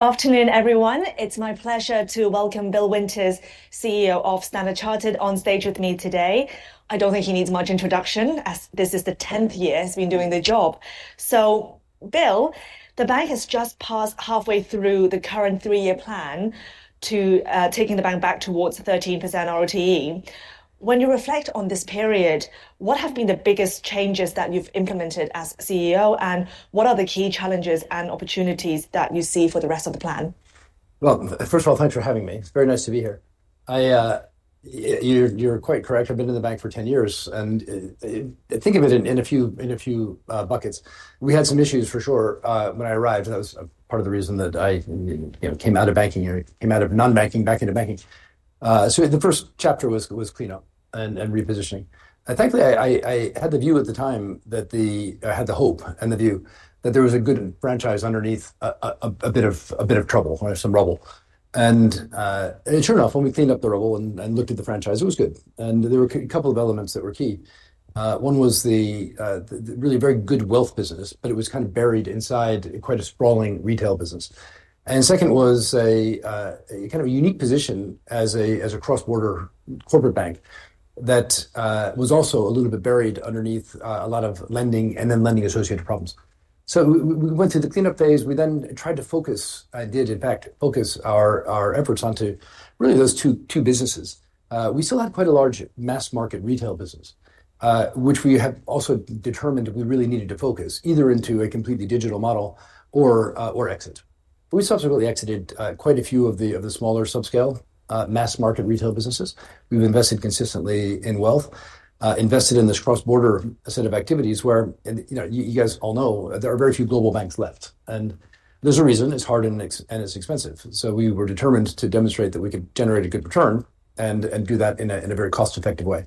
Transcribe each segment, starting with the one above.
Afternoon, everyone. It's my pleasure to welcome Bill Winters, CEO of Standard Chartered, on stage with me today. I don't think he needs much introduction as this is the 10th year he's been doing the job. Bill, the bank has just passed halfway through the current three-year plan to taking the bank back towards 13% ROTE. When you reflect on this period, what have been the biggest changes that you've implemented as CEO, and what are the key challenges and opportunities that you see for the rest of the plan? Thank you for having me. It's very nice to be here. You're quite correct. I've been in the bank for 10 years. I think of it in a few buckets. We had some issues, for sure, when I arrived. That was part of the reason that I came out of banking and came out of non-banking back into banking. The first chapter was cleanup and repositioning. Thankfully, I had the view at the time that I had the hope and the view that there was a good franchise underneath a bit of trouble, some rubble. It turned out when we cleaned up the rubble and looked at the franchise, it was good. There were a couple of elements that were key. One was the really very good wealth business, but it was kind of buried inside quite a sprawling retail business. The second was a kind of a unique position as a cross-border corporate bank that was also a little bit buried underneath a lot of lending and then lending-associated problems. We went through the cleanup phase. I then tried to focus our efforts onto really those two businesses. We still had quite a large mass-market retail business, which we have also determined we really needed to focus either into a completely digital model or exit. We subsequently exited quite a few of the smaller subscale mass-market retail businesses. We've invested consistently in wealth, invested in this cross-border set of activities where, you know, you guys all know, there are very few global banks left. There's a reason. It's hard and it's expensive. We were determined to demonstrate that we could generate a good return and do that in a very cost-effective way.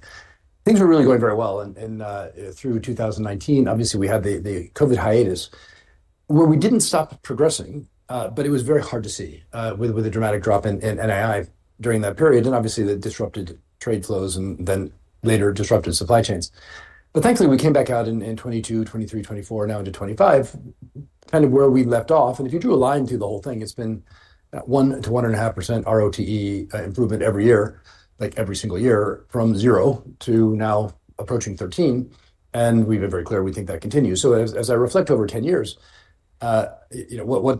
Things were really going very well. Through 2019, obviously, we had the COVID hiatus where we didn't stop progressing, but it was very hard to see with a dramatic drop in net interest income during that period. Obviously, that disrupted trade flows and then later disrupted supply chains. Thankfully, we came back out in 2022, 2023, 2024, now into 2025, kind of where we left off. If you drew a line through the whole thing, it's been 1% to 1.5% return on tangible equity improvement every year, like every single year from 0% to now approaching 13%. We've been very clear we think that continues. As I reflect over 10 years, what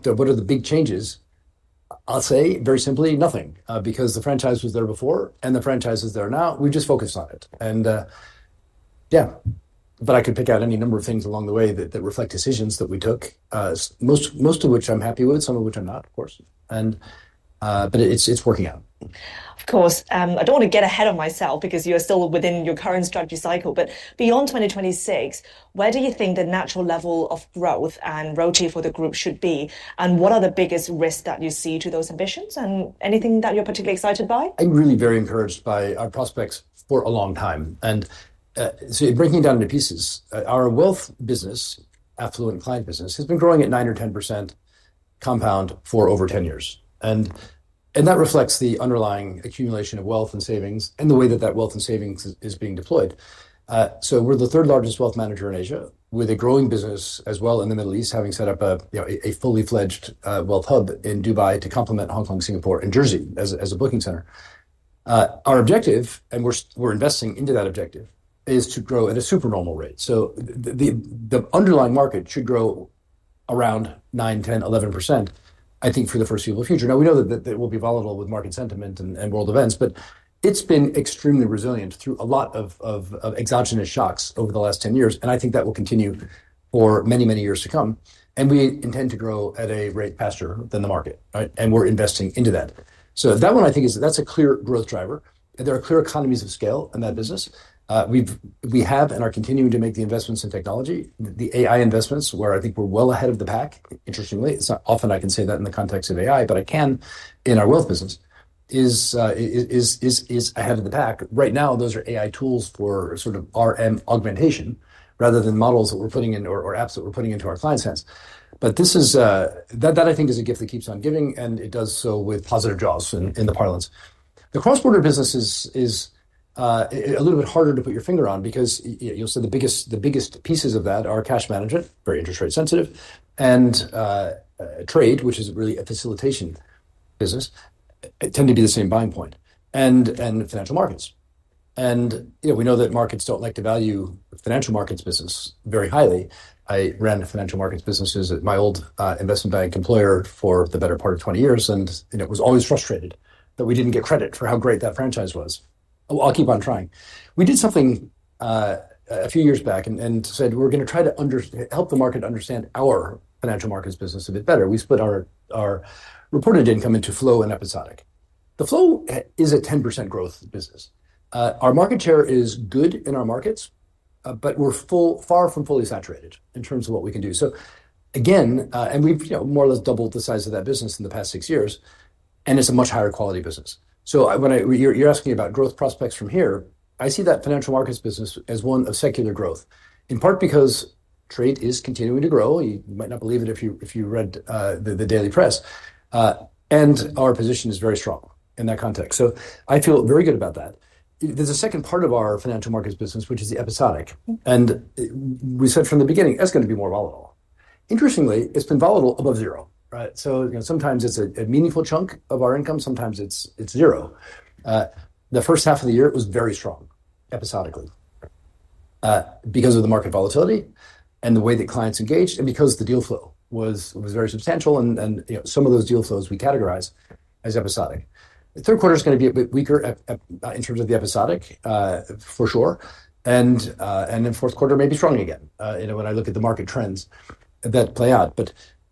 are the big changes? I'll say very simply nothing because the franchise was there before and the franchise is there now. We just focused on it. I could pick out any number of things along the way that reflect decisions that we took, most of which I'm happy with, some of which I'm not, of course. It's working out. Of course. I don't want to get ahead of myself because you're still within your current strategy cycle. Beyond 2026, where do you think the natural level of growth and royalty for the group should be? What are the biggest risks that you see to those ambitions? Is there anything that you're particularly excited by? I'm really very encouraged by our prospects for a long time. It breaks me down into pieces. Our wealth business, affluent client business, has been growing at 9% or 10% compound for over 10 years. That reflects the underlying accumulation of wealth and savings and the way that that wealth and savings is being deployed. We're the third largest wealth manager in Asia with a growing business as well in the Middle East, having set up a fully-fledged wealth hub in Dubai to complement Hong Kong, Singapore, and Jersey as a booking center. Our objective, and we're investing into that objective, is to grow at a supernormal rate. The underlying market should grow around 9%, 10%, 11%, I think, for the foreseeable future. We know that it will be volatile with market sentiment and world events. It's been extremely resilient through a lot of exogenous shocks over the last 10 years. I think that will continue for many, many years to come. We intend to grow at a rate faster than the market. We're investing into that. That one, I think, is a clear growth driver. There are clear economies of scale in that business. We have and are continuing to make the investments in technology, the AI investments, where I think we're well ahead of the pack, interestingly. It's not often I can say that in the context of AI, but I can in our wealth business is ahead of the pack. Right now, those are AI tools for sort of RM augmentation rather than models that we're putting in or apps that we're putting into our client's hands. This is that, I think, is a gift that keeps on giving. It does so with positive jaws in the parlance. The cross-border business is a little bit harder to put your finger on because you'll see the biggest pieces of that are cash management, very interest rate sensitive, and trade, which is really a facilitation business, tend to be the same buying point, and financial markets. We know that markets don't like to value financial markets business very highly. I ran financial markets businesses at my old investment bank employer for the better part of 20 years. It was always frustrating that we didn't get credit for how great that franchise was. I'll keep on trying. We did something a few years back and said, we're going to try to help the market understand our financial markets business a bit better. We split our reported income into flow and episodic. The flow is a 10% growth business. Our market share is good in our markets, but we're far from fully saturated in terms of what we can do. We've more or less doubled the size of that business in the past six years, and it's a much higher quality business. When you're asking about growth prospects from here, I see that financial markets business as one of secular growth, in part because trade is continuing to grow. You might not believe it if you read the daily press, and our position is very strong in that context. I feel very good about that. There's a second part of our financial markets business, which is the episodic. We said from the beginning that's going to be more volatile. Interestingly, it's been volatile above zero. Sometimes it's a meaningful chunk of our income, sometimes it's zero. The first half of the year, it was very strong episodically because of the market volatility and the way that clients engaged and because the deal flow was very substantial. Some of those deal flows we categorize as episodic. The third quarter is going to be a bit weaker in terms of the episodic, for sure. The fourth quarter may be strong again when I look at the market trends that play out.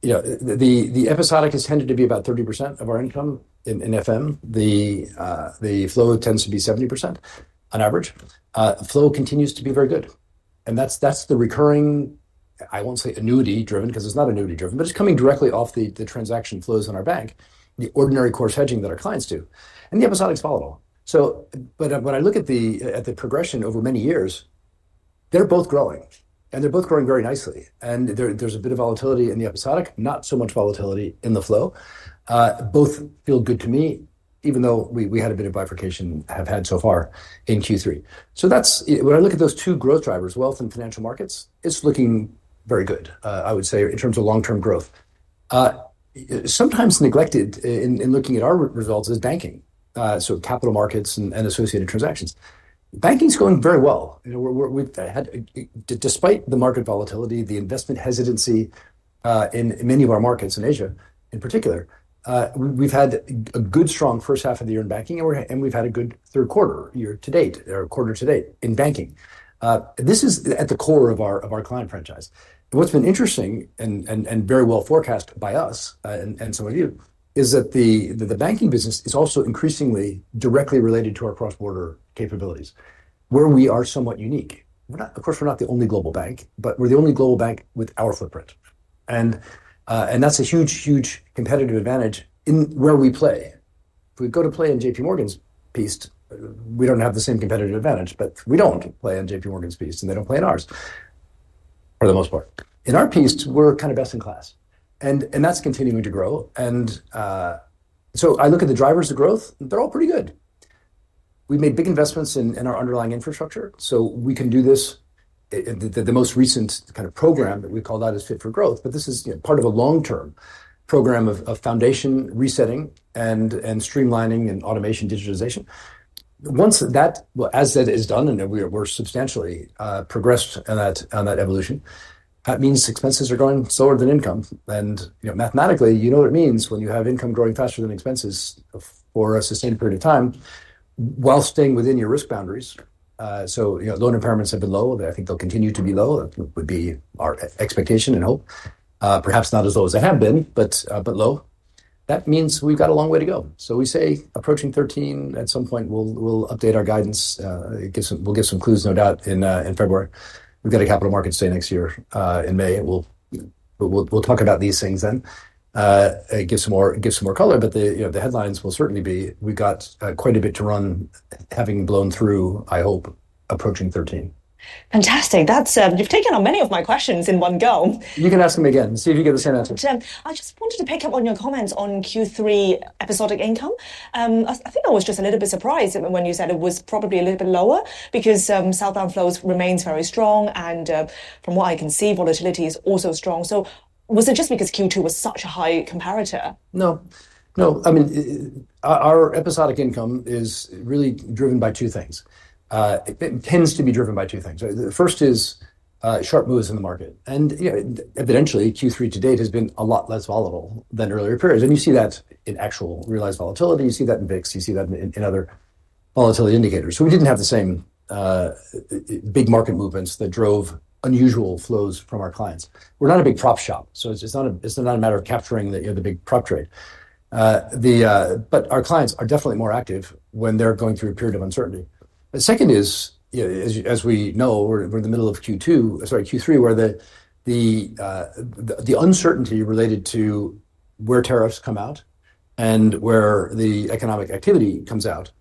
The episodic has tended to be about 30% of our income in FM. The flow tends to be 70% on average. Flow continues to be very good, and that's the recurring. I won't say annuity-driven because it's not annuity-driven, but it's coming directly off the transaction flows in our bank, the ordinary course hedging that our clients do. The episodic is volatile, but when I look at the progression over many years, they're both growing, and they're both growing very nicely. There's a bit of volatility in the episodic, not so much volatility in the flow. Both feel good to me, even though we had a bit of bifurcation so far in Q3. When I look at those two growth drivers, wealth and financial markets, it's looking very good, I would say, in terms of long-term growth. Sometimes neglected in looking at our results is banking, so capital markets and associated transactions. Banking is going very well. Despite the market volatility, the investment hesitancy in many of our markets in Asia in particular, we've had a good strong first half of the year in banking, and we've had a good third quarter year to date or quarter to date in banking. This is at the core of our client franchise. What's been interesting and very well forecast by us and some of you is that the banking business is also increasingly directly related to our cross-border capabilities, where we are somewhat unique. Of course, we're not the only global bank, but we're the only global bank with our footprint. That's a huge, huge competitive advantage in where we play. If we go to play in JP Morgan's piece, we don't have the same competitive advantage. We don't play in JP Morgan's piece, and they don't play in ours, for the most part. In our piece, we're kind of best in class, and that's continuing to grow. I look at the drivers of growth. They're all pretty good. We've made big investments in our underlying infrastructure so we can do this. The most recent kind of program that we call that is Fit for Growth, but this is part of a long-term program of foundation resetting and streamlining and automation digitization. As that is done, and we're substantially progressed in that evolution, that means expenses are going slower than income. Mathematically, you know what it means when you have income growing faster than expenses for a sustained period of time while staying within your risk boundaries. Loan impairments have been low. I think they'll continue to be low. That would be our expectation and hope, perhaps not as low as they have been, but low. That means we've got a long way to go. We say approaching 13 at some point. We'll update our guidance. We'll give some clues, no doubt, in February. We've got a capital markets day next year in May. We'll talk about these things then and give some more color. The headlines will certainly be we've got quite a bit to run having blown through, I hope, approaching 13. Fantastic. You've taken on many of my questions in one go. You can ask them again and see if you get the same answer. I just wanted to pick up on your comments on Q3 episodic income. I think I was just a little bit surprised when you said it was probably a little bit lower because southbound flows remain very strong. From what I can see, volatility is also strong. Was it just because Q2 was such a high comparator? No, no. I mean, our episodic income is really driven by two things. It tends to be driven by two things. The first is sharp moves in the market. Evidently, Q3 to date has been a lot less volatile than earlier periods. You see that in actual realized volatility, in VIX, and in other volatility indicators. We did not have the same big market movements that drove unusual flows from our clients. We're not a big prop shop, so it's not a matter of capturing the big prop trade. Our clients are definitely more active when they're going through a period of uncertainty. The second is, as we know, we're in the middle of Q3, where the uncertainty related to where tariffs come out and where the economic activity comes out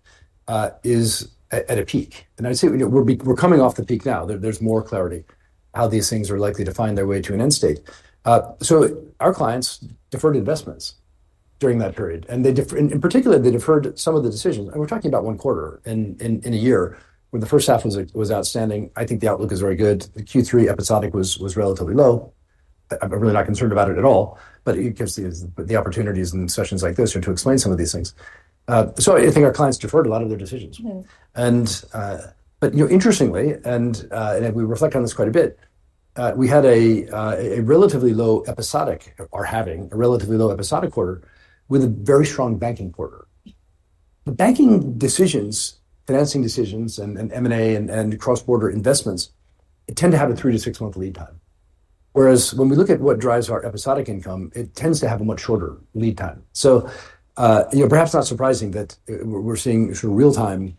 is at a peak. I'd say we're coming off the peak now. There's more clarity how these things are likely to find their way to an end state. Our clients deferred investments during that period. In particular, they deferred some of the decisions. We're talking about one quarter in a year where the first half was outstanding. I think the outlook is very good. The Q3 episodic was relatively low. I'm really not concerned about it at all. It gives the opportunities in sessions like this to explain some of these things. I think our clients deferred a lot of their decisions. Interestingly, and we reflect on this quite a bit, we had a relatively low episodic or are having a relatively low episodic quarter with a very strong banking quarter. The banking decisions, financing decisions, and M&A and cross-border investments tend to have a three to six-month lead time. When we look at what drives our episodic income, it tends to have a much shorter lead time. Perhaps not surprising that we're seeing sort of real-time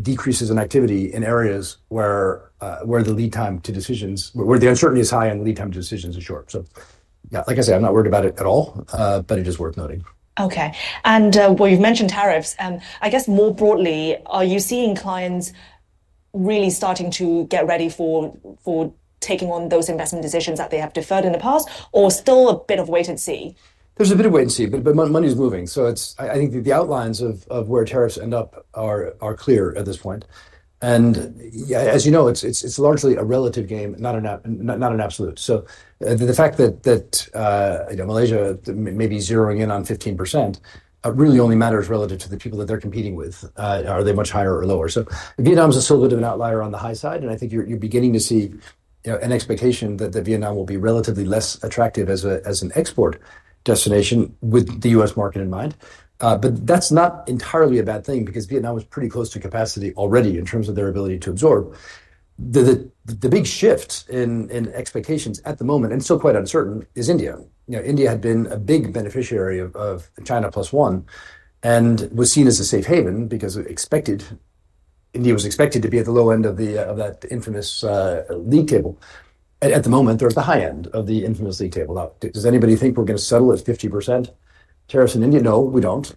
decreases in activity in areas where the lead time to decisions, where the uncertainty is high and lead time to decisions is short. I'm not worried about it at all. It is worth noting. OK. You've mentioned tariffs. I guess more broadly, are you seeing clients really starting to get ready for taking on those investment decisions that they have deferred in the past or still a bit of wait and see? There's a bit of wait and see. Money is moving. I think the outlines of where tariffs end up are clear at this point. As you know, it's largely a relative game, not an absolute. The fact that Malaysia may be zeroing in on 15% really only matters relative to the people that they're competing with. Are they much higher or lower? Vietnam's a little bit of an outlier on the high side. I think you're beginning to see an expectation that Vietnam will be relatively less attractive as an export destination with the U.S. market in mind. That's not entirely a bad thing because Vietnam is pretty close to capacity already in terms of their ability to absorb. The big shift in expectations at the moment, and still quite uncertain, is India. India had been a big beneficiary of China Plus One and was seen as a safe haven because India was expected to be at the low end of that infamous lead table. At the moment, they're at the high end of the infamous lead table. Does anybody think we're going to settle at 50% tariffs in India? No, we don't.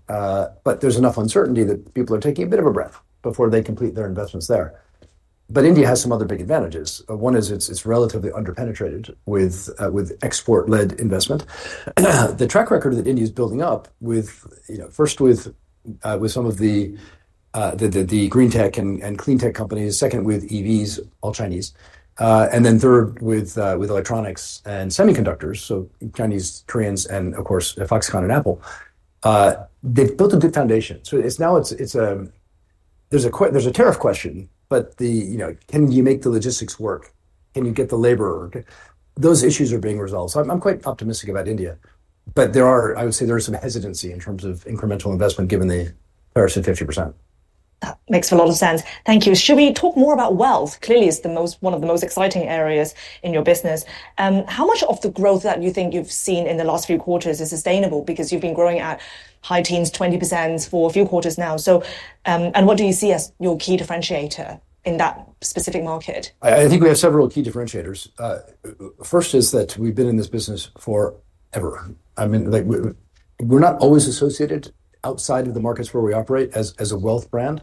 There's enough uncertainty that people are taking a bit of a breath before they complete their investments there. India has some other big advantages. One is it's relatively underpenetrated with export-led investment. The track record that India is building up, first with some of the green tech and clean tech companies, second with EVs, all Chinese, and then third with electronics and semiconductors, so Chinese, Koreans, and of course, Foxconn and Apple, they've built a good foundation. Now there's a tariff question. Can you make the logistics work? Can you get the labor? Those issues are being resolved. I'm quite optimistic about India. I would say there is some hesitancy in terms of incremental investment given the tariffs at 50%. Makes a lot of sense. Thank you. Should we talk more about wealth? Clearly, it's one of the most exciting areas in your business. How much of the growth that you think you've seen in the last few quarters is sustainable? You've been growing at high teens, 20% for a few quarters now. What do you see as your key differentiator in that specific market? I think we have several key differentiators. First is that we've been in this business forever. I mean, we're not always associated outside of the markets where we operate as a wealth brand.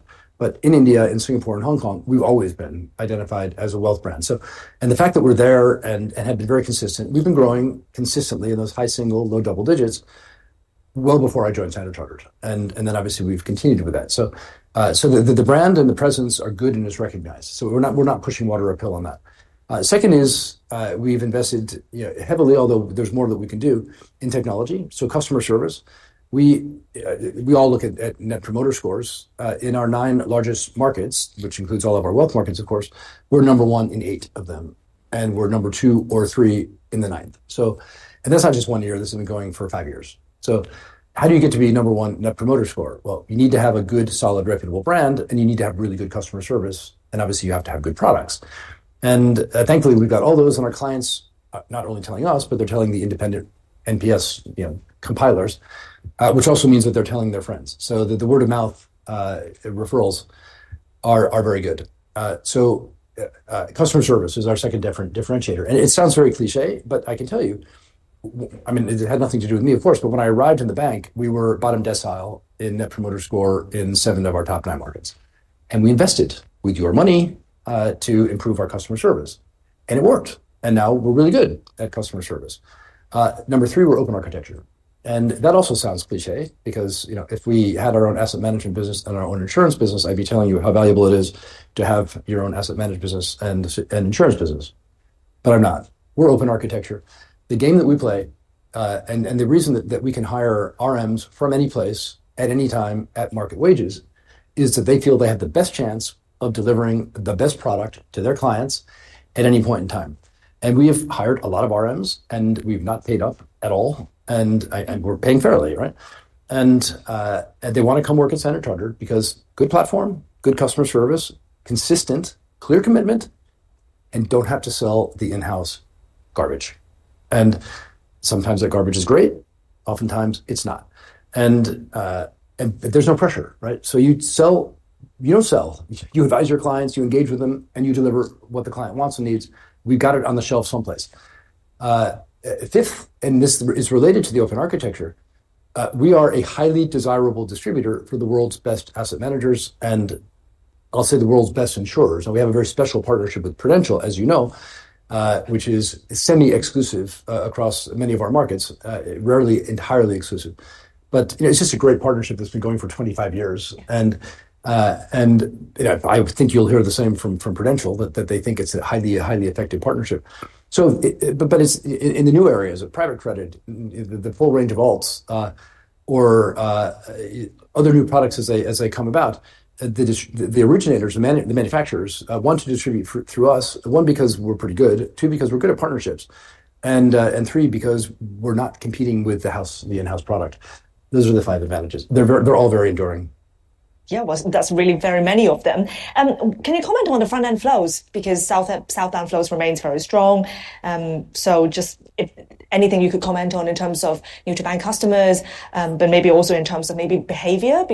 In India, in Singapore, and Hong Kong, we've always been identified as a wealth brand. The fact that we're there and have been very consistent, we've been growing consistently in those high single, low double digits well before I joined Standard Chartered. Obviously, we've continued with that. The brand and the presence are good and is recognized. We're not pushing water or a pill on that. Second is we've invested heavily, although there's more that we can do, in technology, so customer service. We all look at Net Promoter Scores in our nine largest markets, which includes all of our wealth markets, of course. We're number one in eight of them, and we're number two or three in the ninth. That's not just one year. This has been going for five years. How do you get to be number one Net Promoter Score? You need to have a good, solid, reputable brand. You need to have really good customer service. Obviously, you have to have good products. Thankfully, we've got all those. Our clients are not only telling us, but they're telling the independent NPS compilers, which also means that they're telling their friends. The word-of-mouth referrals are very good. Customer service is our second differentiator. It sounds very cliché. I can tell you, it had nothing to do with me, of course. When I arrived in the bank, we were bottom decile in Net Promoter Score in seven of our top nine markets. We invested. We do our money to improve our customer service. It worked. Now we're really good at customer service. Number three, we're open architecture. That also sounds cliché because if we had our own asset management business and our own insurance business, I'd be telling you how valuable it is to have your own asset management business and insurance business. I'm not. We're open architecture. The game that we play and the reason that we can hire RMs from any place at any time at market wages is that they feel they have the best chance of delivering the best product to their clients at any point in time. We have hired a lot of RMs, and we've not paid up at all. We're paying fairly. Right? They want to come work at Standard Chartered because it is a good platform, good customer service, consistent, clear commitment, and they do not have to sell the in-house garbage. Sometimes that garbage is great. Oftentimes, it is not. There is no pressure, right? You sell, you do not sell. You advise your clients, you engage with them, and you deliver what the client wants and needs. We have got it on the shelves someplace. Fifth, and this is related to the open architecture, we are a highly desirable distributor for the world's best asset managers and, I will say, the world's best insurers. We have a very special partnership with Prudential, as you know, which is semi-exclusive across many of our markets, rarely entirely exclusive. It is just a great partnership that has been going for 25 years. I think you will hear the same from Prudential, that they think it is a highly effective partnership. In the new areas of private credit, the full range of alts or other new products as they come about, the originators, the manufacturers want to distribute through us, one, because we are pretty good, two, because we are good at partnerships, and three, because we are not competing with the in-house product. Those are the five advantages. They are all very enduring. That's really very many of them. Can you comment on the front-end flows? Southbound flows remain very strong. Is there anything you could comment on in terms of new-to-bank customers, but maybe also in terms of behavior?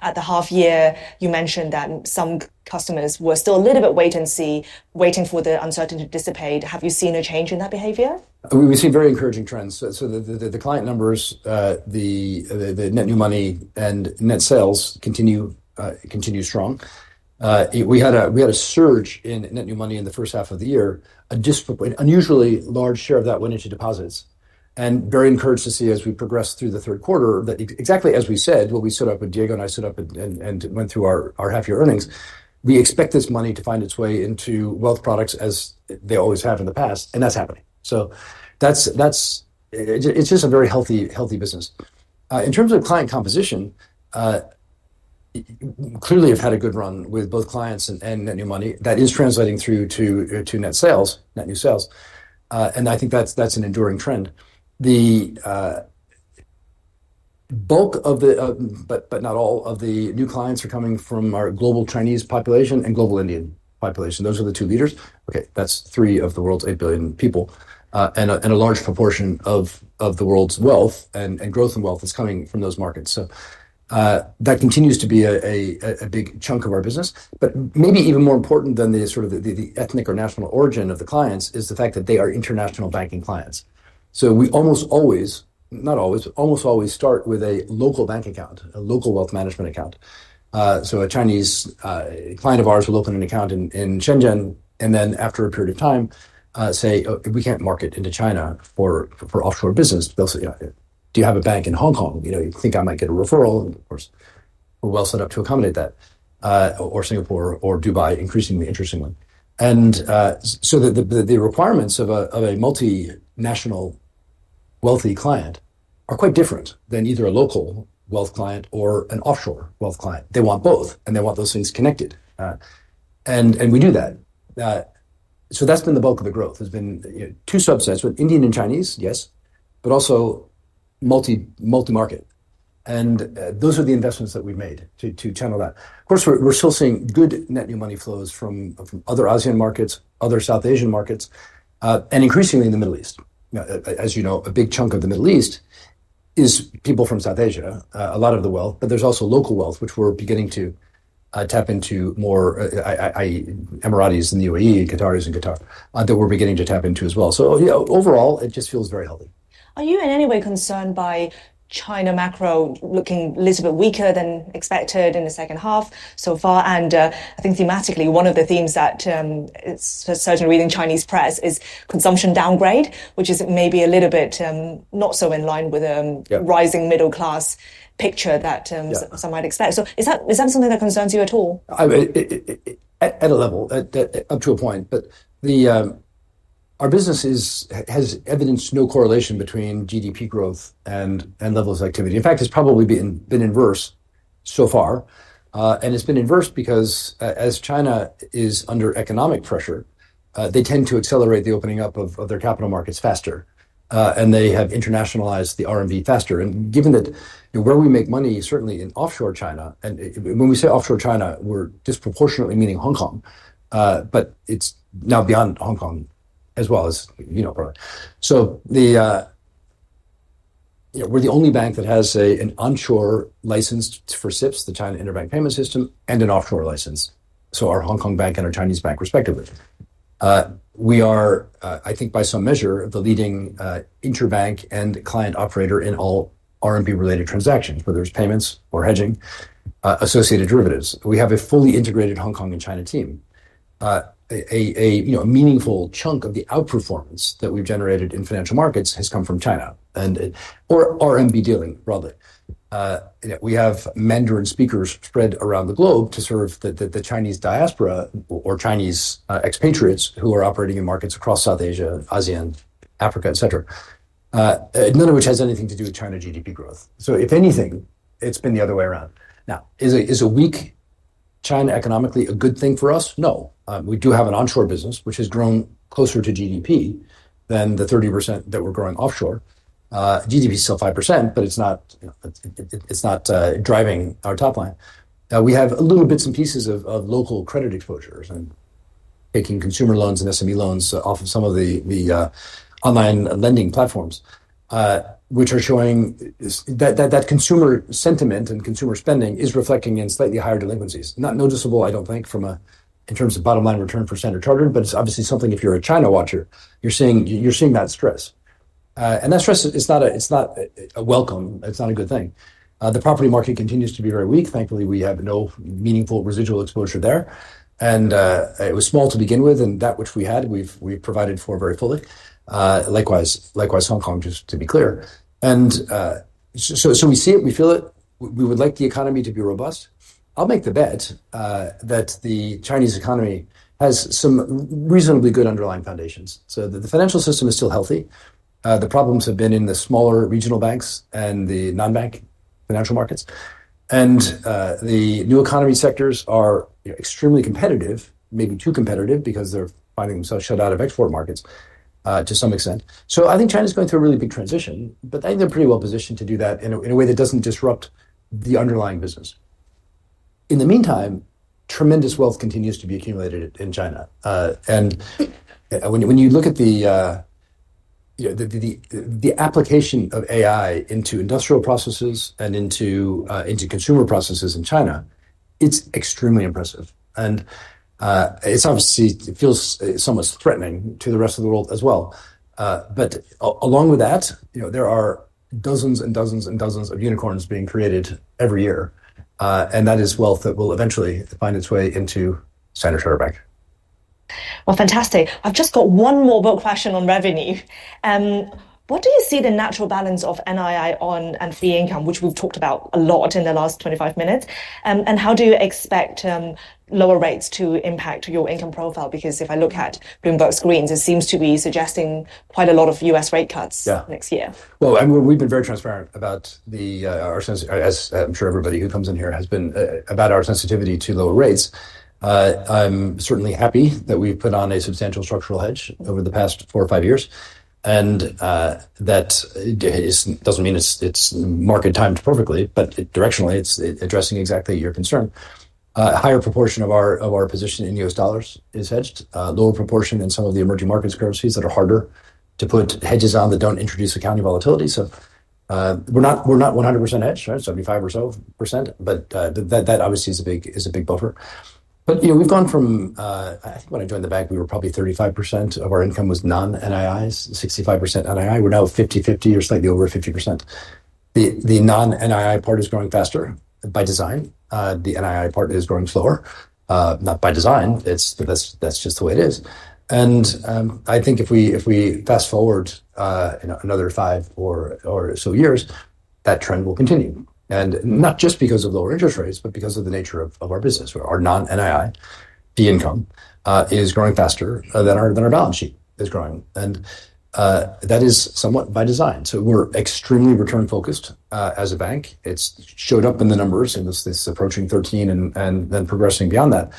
At the half-year, you mentioned that some customers were still a little bit wait and see, waiting for the uncertainty to dissipate. Have you seen a change in that behavior? We see very encouraging trends. The client numbers, the net new money, and net sales continue strong. We had a surge in net new money in the first half of the year. An unusually large share of that went into deposits. Very encouraged to see, as we progress through the third quarter, that exactly as we said, when Diego and I stood up and went through our half-year earnings, we expect this money to find its way into wealth products as they always have in the past. That's happening. It's just a very healthy business. In terms of client composition, clearly, we've had a good run with both clients and net new money. That is translating through to net sales, net new sales. I think that's an enduring trend. The bulk of the, but not all of the new clients are coming from our global Chinese population and global Indian population. Those are the two leaders. That's three of the world's 8 billion people. A large proportion of the world's wealth and growth in wealth is coming from those markets. That continues to be a big chunk of our business. Maybe even more important than the ethnic or national origin of the clients is the fact that they are international banking clients. We almost always, not always, almost always start with a local bank account, a local wealth management account. A Chinese client of ours will open an account in Shenzhen. After a period of time, say, we can't market into China for offshore business. They'll say, do you have a bank in Hong Kong? You think I might get a referral. Of course, we're well set up to accommodate that. Or Singapore or Dubai, increasingly, interestingly. The requirements of a multinational wealthy client are quite different than either a local wealth client or an offshore wealth client. They want both, and they want those things connected. We knew that. That's been the bulk of the growth. There have been two subsets, with Indian and Chinese, yes, but also multi-market. Those are the investments that we've made to channel that. We're still seeing good net new money flows from other ASEAN markets, other South Asian markets, and increasingly in the Middle East. As you know, a big chunk of the Middle East is people from South Asia, a lot of the wealth. There's also local wealth, which we're beginning to tap into more, Emiratis in the UAE, Qataris in Qatar, that we're beginning to tap into as well. Overall, it just feels very healthy. Are you in any way concerned by China macro looking a little bit weaker than expected in the second half so far? I think thematically, one of the themes that is certainly reading Chinese press is consumption downgrade, which is maybe a little bit not so in line with a rising middle-class picture that some might expect. Is that something that concerns you at all? At a level, up to a point. Our business has evidenced no correlation between GDP growth and levels of activity. In fact, it's probably been inverse so far. It's been inverse because as China is under economic pressure, they tend to accelerate the opening up of their capital markets faster. They have internationalized the R&D faster. Given that where we make money is certainly in offshore China, and when we say offshore China, we're disproportionately meaning Hong Kong. It's now beyond Hong Kong as well. We are the only bank that has, say, an onshore license for SIPS, the China Interbank Payment System, and an offshore license, so our Hong Kong bank and our Chinese bank respectively. We are, I think, by some measure, the leading interbank and client operator in all R&D-related transactions, whether it's payments or hedging, associated derivatives. We have a fully integrated Hong Kong and China team. A meaningful chunk of the outperformance that we've generated in financial markets has come from China or R&D dealing, rather. We have Mandarin speakers spread around the globe to serve the Chinese diaspora or Chinese expatriates who are operating in markets across South Asia, ASEAN, Africa, et cetera, none of which has anything to do with China GDP growth. If anything, it's been the other way around. Now, is a weak China economically a good thing for us? No. We do have an onshore business, which has grown closer to GDP than the 30% that we're growing offshore. GDP is still 5%. It's not driving our top line. We have little bits and pieces of local credit exposures and taking consumer loans and SME loans off of some of the online lending platforms, which are showing that consumer sentiment and consumer spending is reflecting in slightly higher delinquencies. Not noticeable, I don't think, in terms of bottom line return for Standard Chartered. It's obviously something, if you're a China watcher, you're seeing that stress. That stress is not a welcome. It's not a good thing. The property market continues to be very weak. Thankfully, we have no meaningful residual exposure there. It was small to begin with. That which we had, we've provided for very fully. Likewise, Hong Kong, just to be clear. We see it. We feel it. We would like the economy to be robust. I'll make the bet that the Chinese economy has some reasonably good underlying foundations. The financial system is still healthy. The problems have been in the smaller regional banks and the non-bank financial markets. The new economy sectors are extremely competitive, maybe too competitive because they're finding themselves shut out of export markets to some extent. I think China is going through a really big transition. I think they're pretty well positioned to do that in a way that doesn't disrupt the underlying business. In the meantime, tremendous wealth continues to be accumulated in China. When you look at the application of AI into industrial processes and into consumer processes in China, it's extremely impressive. It obviously feels somewhat threatening to the rest of the world as well. Along with that, there are dozens and dozens and dozens of unicorns being created every year. That is wealth that will eventually find its way into Standard Chartered. I've just got one more question on revenue. What do you see the natural balance of NII and fee income, which we've talked about a lot in the last 25 minutes? How do you expect lower rates to impact your income profile? If I look at Bloomberg screens, it seems to be suggesting quite a lot of U.S. rate cuts next year. We have been very transparent about our, as I'm sure everybody who comes in here has been, about our sensitivity to lower rates. I'm certainly happy that we've put on a substantial structural hedge over the past four or five years. That doesn't mean it's market timed perfectly, but directionally, it's addressing exactly your concern. A higher proportion of our position in U.S. dollars is hedged, a lower proportion in some of the emerging markets currencies that are harder to put hedges on that don't introduce accounting volatility. We're not 100% hedged, right, 75% or so. That obviously is a big buffer. We've gone from, I think when I joined the bank, we were probably 35% of our income was non-NIIs, 65% NII. We're now 50/50 or slightly over 50%. The non-NII part is growing faster by design. The NII part is growing slower, not by design. That's just the way it is. If we fast forward another five or so years, that trend will continue, and not just because of lower interest rates, but because of the nature of our business. Our non-NII fee income is growing faster than our balance sheet is growing, and that is somewhat by design. We're extremely return-focused as a bank. It showed up in the numbers, and this is approaching 13% and then progressing beyond that.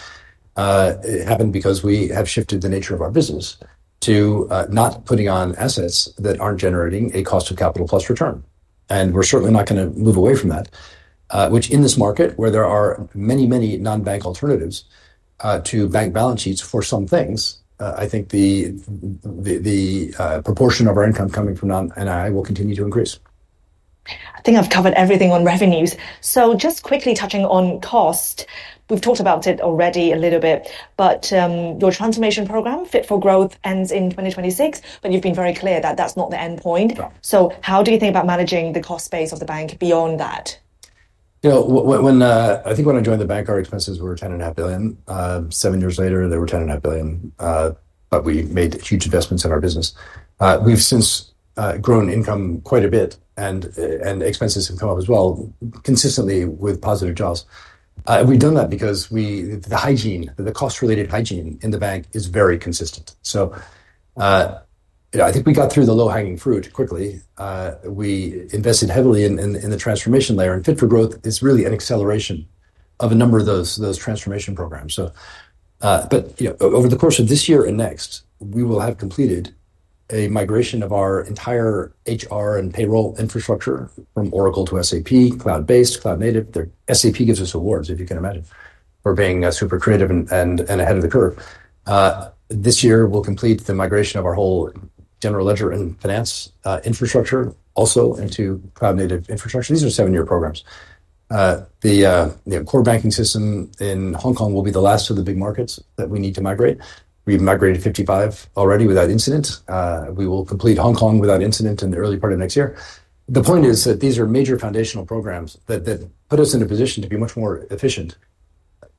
It happened because we have shifted the nature of our business to not putting on assets that aren't generating a cost of capital plus return. We're certainly not going to move away from that, which in this market, where there are many, many non-bank alternatives to bank balance sheets for some things, I think the proportion of our income coming from non-NII will continue to increase. I think I've covered everything on revenues. Just quickly touching on cost, we've talked about it already a little bit. Your transformation program, Fit for Growth, ends in 2026. You've been very clear that that's not the end point. How do you think about managing the cost base of the bank beyond that? I think when I joined the bank, our expenses were $10.5 billion. Seven years later, they were $10.5 billion. We made huge investments in our business. We've since grown income quite a bit, and expenses have come up as well, consistently with positive jobs. We've done that because the hygiene, the cost-related hygiene in the bank, is very consistent. I think we got through the low-hanging fruit quickly. We invested heavily in the transformation layer. Fit for Growth is really an acceleration of a number of those transformation programs. Over the course of this year and next, we will have completed a migration of our entire HR and payroll infrastructure from Oracle to SAP, cloud-based, cloud-native. SAP gives us awards, if you can imagine, for being super creative and ahead of the curve. This year, we'll complete the migration of our whole general ledger and finance infrastructure also into cloud-native infrastructure. These are seven-year programs. The core banking system in Hong Kong will be the last of the big markets that we need to migrate. We've migrated 55 already without incident. We will complete Hong Kong without incident in the early part of next year. The point is that these are major foundational programs that put us in a position to be much more efficient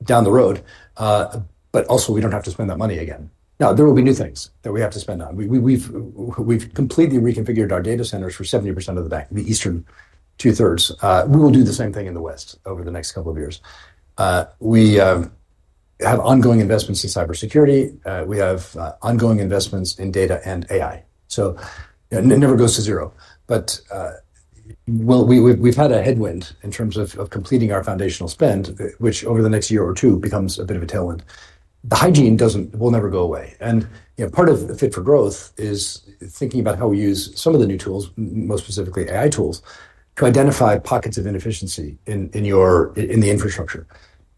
down the road. We don't have to spend that money again. There will be new things that we have to spend on. We've completely reconfigured our data centers for 70% of the bank, the eastern two-thirds. We will do the same thing in the west over the next couple of years. We have ongoing investments in cybersecurity. We have ongoing investments in data and AI. It never goes to zero. We've had a headwind in terms of completing our foundational spend, which over the next year or two becomes a bit of a tailwind. The hygiene will never go away. Part of Fit for Growth is thinking about how we use some of the new tools, most specifically AI tools, to identify pockets of inefficiency in the infrastructure.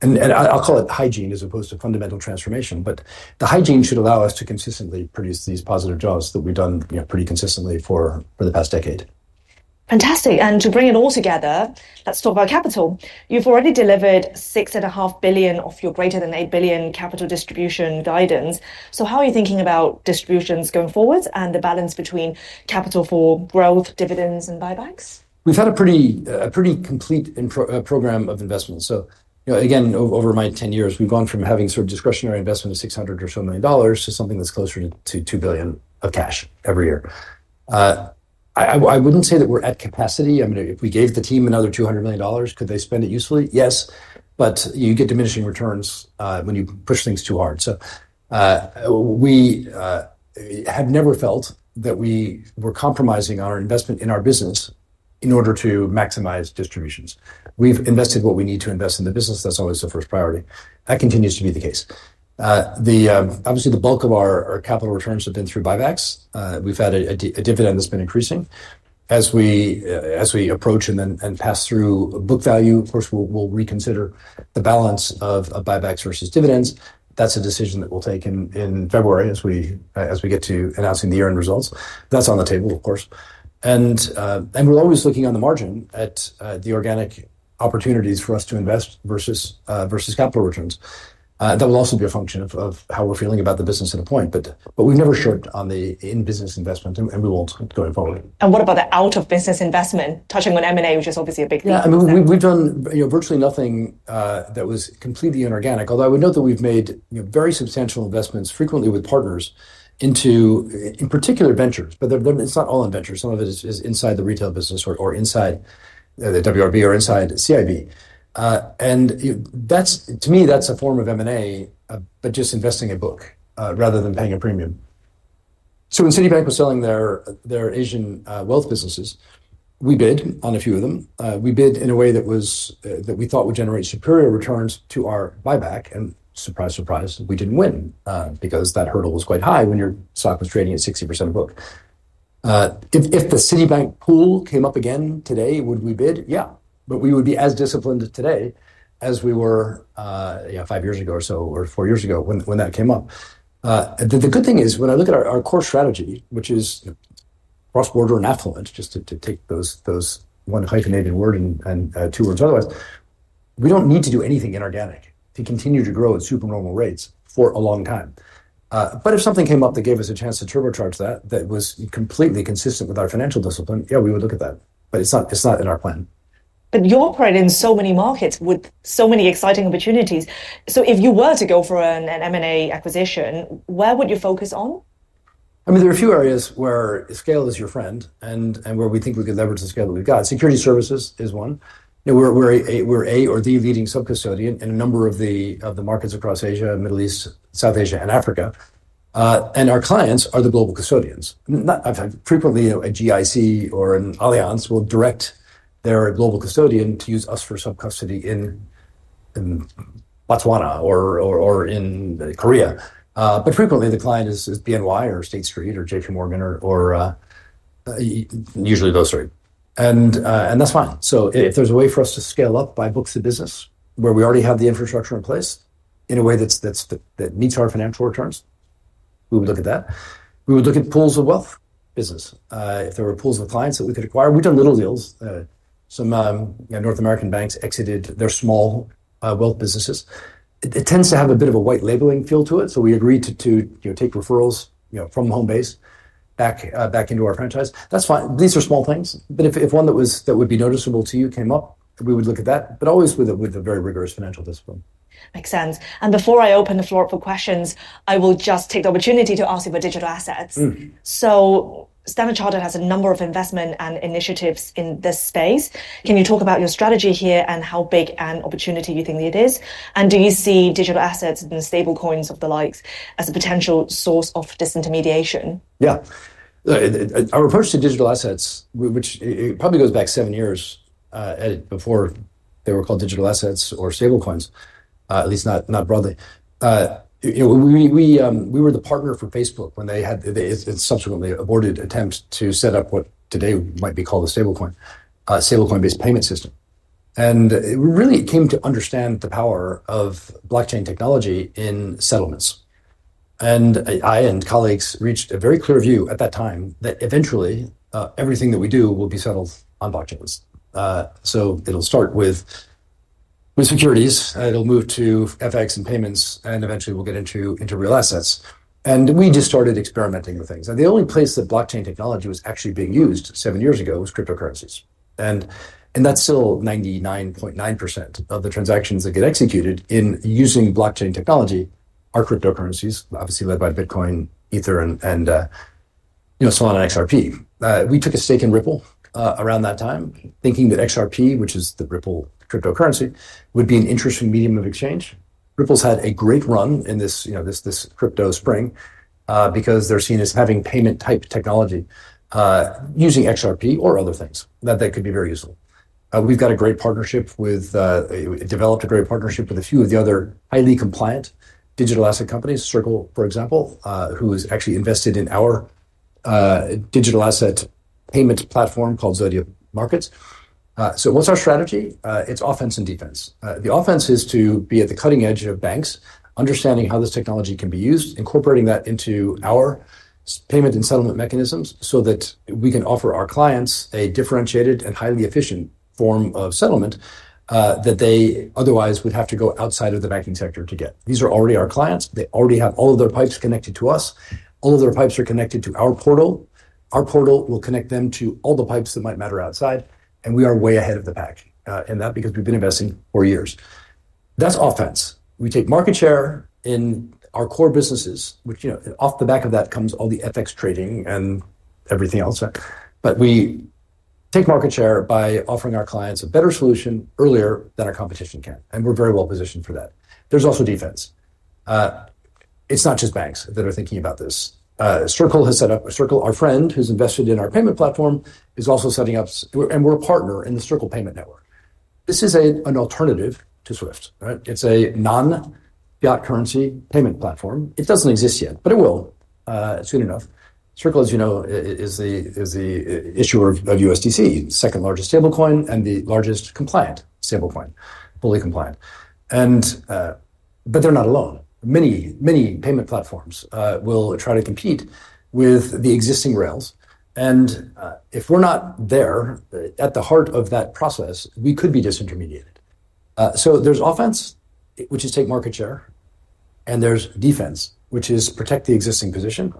I'll call it hygiene as opposed to fundamental transformation. The hygiene should allow us to consistently produce these positive jobs that we've done pretty consistently for the past decade. Fantastic. To bring it all together, let's talk about capital. You've already delivered $6.5 billion of your greater than $8 billion capital distribution guidance. How are you thinking about distributions going forward and the balance between capital for growth, dividends, and buybacks? We've had a pretty complete program of investments. Over my 10 years, we've gone from having sort of discretionary investment of $600 million or so to something that's closer to $2 billion of cash every year. I wouldn't say that we're at capacity. If we gave the team another $200 million, could they spend it usefully? Yes. You get diminishing returns when you push things too hard. We have never felt that we were compromising our investment in our business in order to maximize distributions. We've invested what we need to invest in the business. That's always the first priority. That continues to be the case. Obviously, the bulk of our capital returns have been through buybacks. We've had a dividend that's been increasing. As we approach and pass through book value, of course, we'll reconsider the balance of buybacks versus dividends. That's a decision that we'll take in February as we get to announcing the year-end results. That's on the table, of course. We're always looking on the margin at the organic opportunities for us to invest versus capital returns. That will also be a function of how we're feeling about the business at a point. We've never short on the in-business investment. We won't go any farther. What about the out-of-business investment? Touching on M&A, which is obviously a big thing. Yeah, I mean, we've done virtually nothing that was completely inorganic, although I would note that we've made very substantial investments frequently with partners into, in particular, ventures. It's not all in ventures. Some of it is inside the retail business or inside the WRB or inside CIB. To me, that's a form of M&A, but just investing a book rather than paying a premium. When Citibank was selling their Asian wealth businesses, we bid on a few of them. We bid in a way that we thought would generate superior returns to our buyback. Surprise, surprise, we didn't win because that hurdle was quite high when your stock was trading at 60% a book. If the Citibank pool came up again today, would we bid? Yeah. We would be as disciplined today as we were five years ago or so, or four years ago when that came up. The good thing is, when I look at our core strategy, which is cross-border and affluent, just to take those one hyphenated word and two words otherwise, we don't need to do anything inorganic to continue to grow at supernormal rates for a long time. If something came up that gave us a chance to turbocharge that, that was completely consistent with our financial discipline, yeah, we would look at that. It's not in our plan. You operate in so many markets with so many exciting opportunities. If you were to go for an M&A acquisition, where would you focus on? I mean, there are a few areas where scale is your friend and where we think we could leverage the scale that we've got. Security services is one. We're a or the leading sub-custodian in a number of the markets across Asia, Middle East, South Asia, and Africa. Our clients are the global custodians. I've had frequently a GIC or an Allianz will direct their global custodian to use us for sub-custody in Botswana or in Korea. Frequently, the client is BNY or State Street or JP Morgan or usually those three. That's fine. If there's a way for us to scale up by books of business where we already have the infrastructure in place in a way that meets our financial returns, we would look at that. We would look at pools of wealth business. If there were pools of clients that we could acquire, we've done little deals. Some North American banks exited their small wealth businesses. It tends to have a bit of a white labeling feel to it. We agreed to take referrals from the home base back into our franchise. That's fine. These are small things. If one that would be noticeable to you came up, we would look at that, always with a very rigorous financial discipline. Makes sense. Before I open the floor for questions, I will just take the opportunity to ask you about digital assets. Standard Chartered has a number of investments and initiatives in this space. Can you talk about your strategy here and how big an opportunity you think it is? Do you see digital assets and stablecoins of the likes as a potential source of disintermediation? Yeah. Our approach to digital assets, which probably goes back seven years before they were called digital assets or stablecoins, at least not broadly, we were the partner for Facebook when they had its subsequently aborted attempt to set up what today might be called a stablecoin-based payment system. We really came to understand the power of blockchain technology in settlements. I and colleagues reached a very clear view at that time that eventually, everything that we do will be settled on blockchains. It will start with securities, move to FX and payments, and eventually, we'll get into real assets. We just started experimenting with things. The only place that blockchain technology was actually being used seven years ago was cryptocurrencies. That's still 99.9% of the transactions that get executed using blockchain technology, obviously led by Bitcoin, Ether, Solana, XRP. We took a stake in Ripple around that time, thinking that XRP, which is the Ripple cryptocurrency, would be an interesting medium of exchange. Ripple's had a great run in this crypto spring because they're seen as having payment-type technology using XRP or other things that could be very useful. We've developed a great partnership with a few of the other highly compliant digital asset companies, Circle, for example, who has actually invested in our digital asset payment platform called Zodia Markets. What's our strategy? It's offense and defense. The offense is to be at the cutting edge of banks, understanding how this technology can be used, incorporating that into our payment and settlement mechanisms so that we can offer our clients a differentiated and highly efficient form of settlement that they otherwise would have to go outside of the banking sector to get. These are already our clients. They already have all of their pipes connected to us. All of their pipes are connected to our portal. Our portal will connect them to all the pipes that might matter outside. We are way ahead of the pack in that because we've been investing four years. That's offense. We take market share in our core businesses, which off the back of that comes all the FX trading and everything else. We take market share by offering our clients a better solution earlier than our competition can. We're very well positioned for that. There's also defense. It's not just banks that are thinking about this. Circle has set up a Circle, our friend, who's invested in our payment platform, is also setting up. We're a partner in the Circle Payment Network. This is an alternative to Swift. It's a non-fiat currency payment platform. It doesn't exist yet, but it will soon enough. Circle, as you know, is the issuer of USDC, the second largest stablecoin and the largest compliant stablecoin, fully compliant. They're not alone. Many, many payment platforms will try to compete with the existing rails. If we're not there at the heart of that process, we could be disintermediated. There's offense, which is take market share, and there's defense, which is protect the existing position.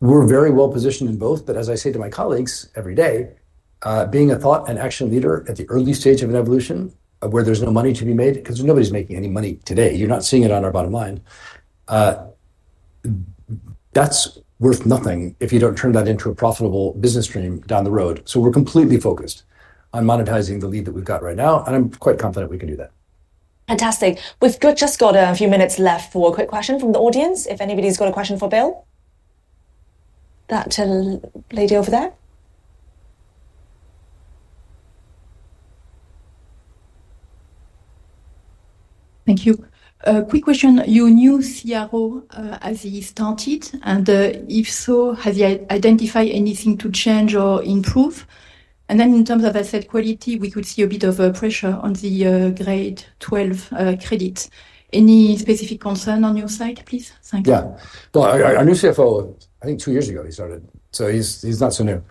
We're very well positioned in both. As I say to my colleagues every day, being a thought and action leader at the early stage of an evolution where there's no money to be made, because nobody's making any money today, you're not seeing it on our bottom line. That's worth nothing if you don't turn that into a profitable business stream down the road. We're completely focused on monetizing the lead that we've got right now, and I'm quite confident we can do that. Fantastic. We've just got a few minutes left for a quick question from the audience. If anybody's got a question for Bill, that lady over there. Thank you. A quick question. Has your new Chief Risk Officer started, and if so, has he identified anything to change or improve? In terms of asset quality, we could see a bit of pressure on the grade 12 credit. Any specific concern on your side, please? Our new CFO, I think two years ago, he started. He's not so new.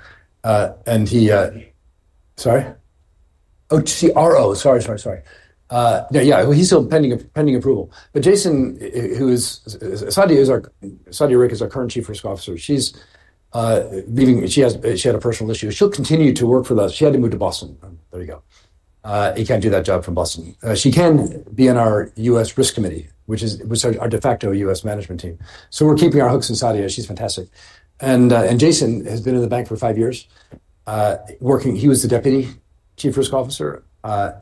Sorry? Oh, CRO. Sorry, sorry, sorry. He's still pending approval. Jason, who is Sadia Rick, is our current Chief Risk Officer. She's leaving. She had a personal issue. She'll continue to work for those. She had to move to Boston. You can't do that job from Boston. She can be in our U.S. Risk Committee, which is our de facto U.S. management team. We're keeping our hooks in Sadia. She's fantastic. Jason has been in the bank for five years. He was the Deputy Chief Risk Officer.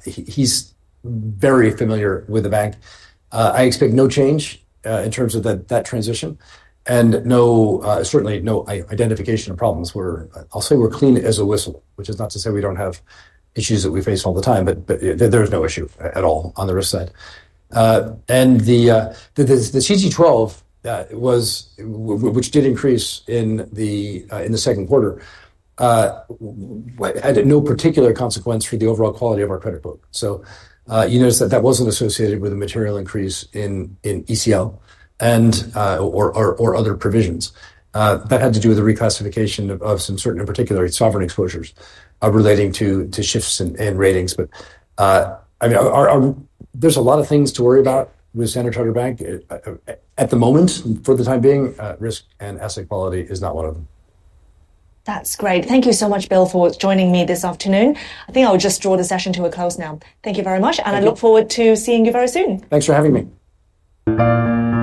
He's very familiar with the bank. I expect no change in terms of that transition and certainly no identification of problems. I'll say we're clean as a whistle, which is not to say we don't have issues that we face all the time. There's no issue at all on the risk side. The CG12, which did increase in the second quarter, had no particular consequence for the overall quality of our credit book. You notice that wasn't associated with a material increase in ECL or other provisions. That had to do with the reclassification of some certain and particular sovereign exposures relating to shifts in ratings. There are a lot of things to worry about with Standard Chartered at the moment. For the time being, risk and asset quality is not one of them. That's great. Thank you so much, Bill, for joining me this afternoon. I think I'll just draw the session to a close now. Thank you very much. I look forward to seeing you very soon. Thanks for having me.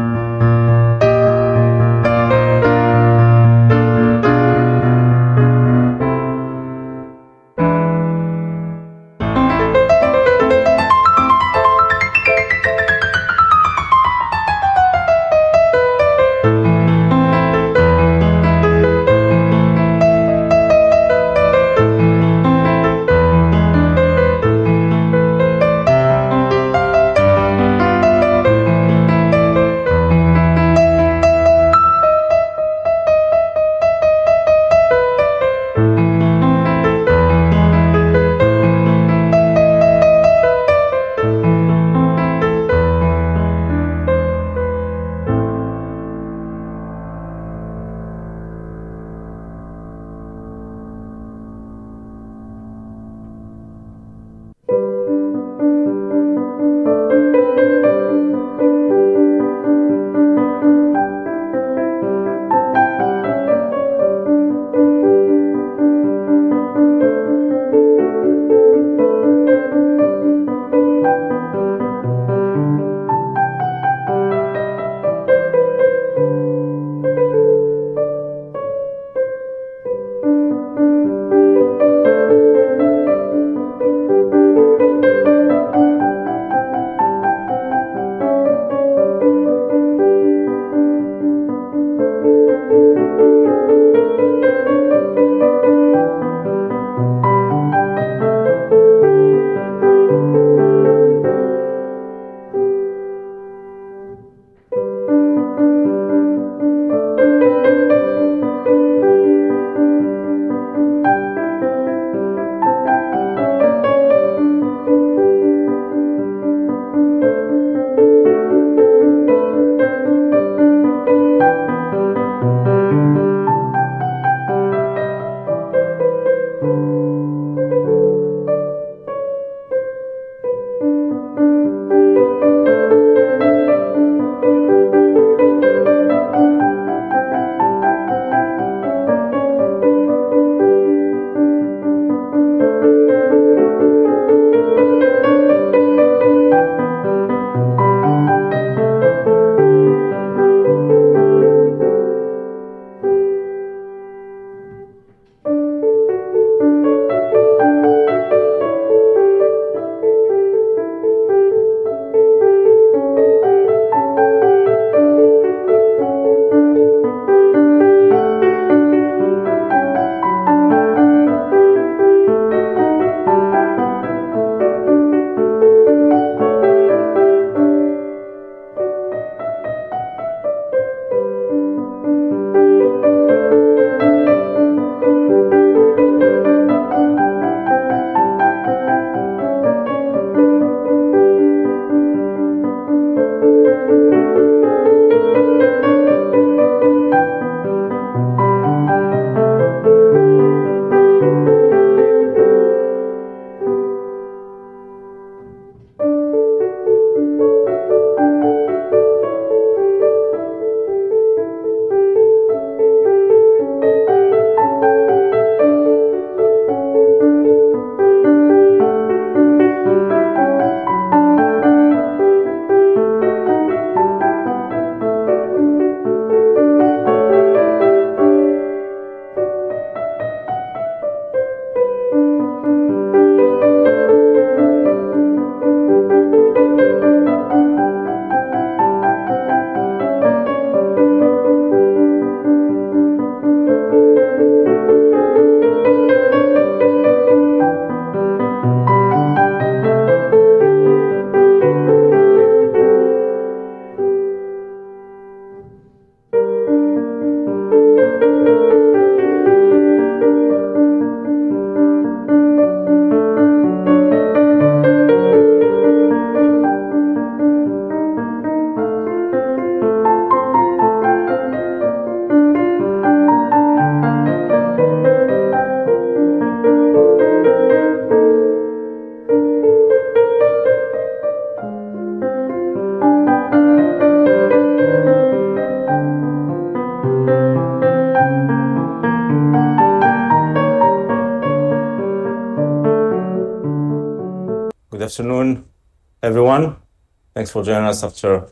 Good afternoon, everyone. Thanks for joining us after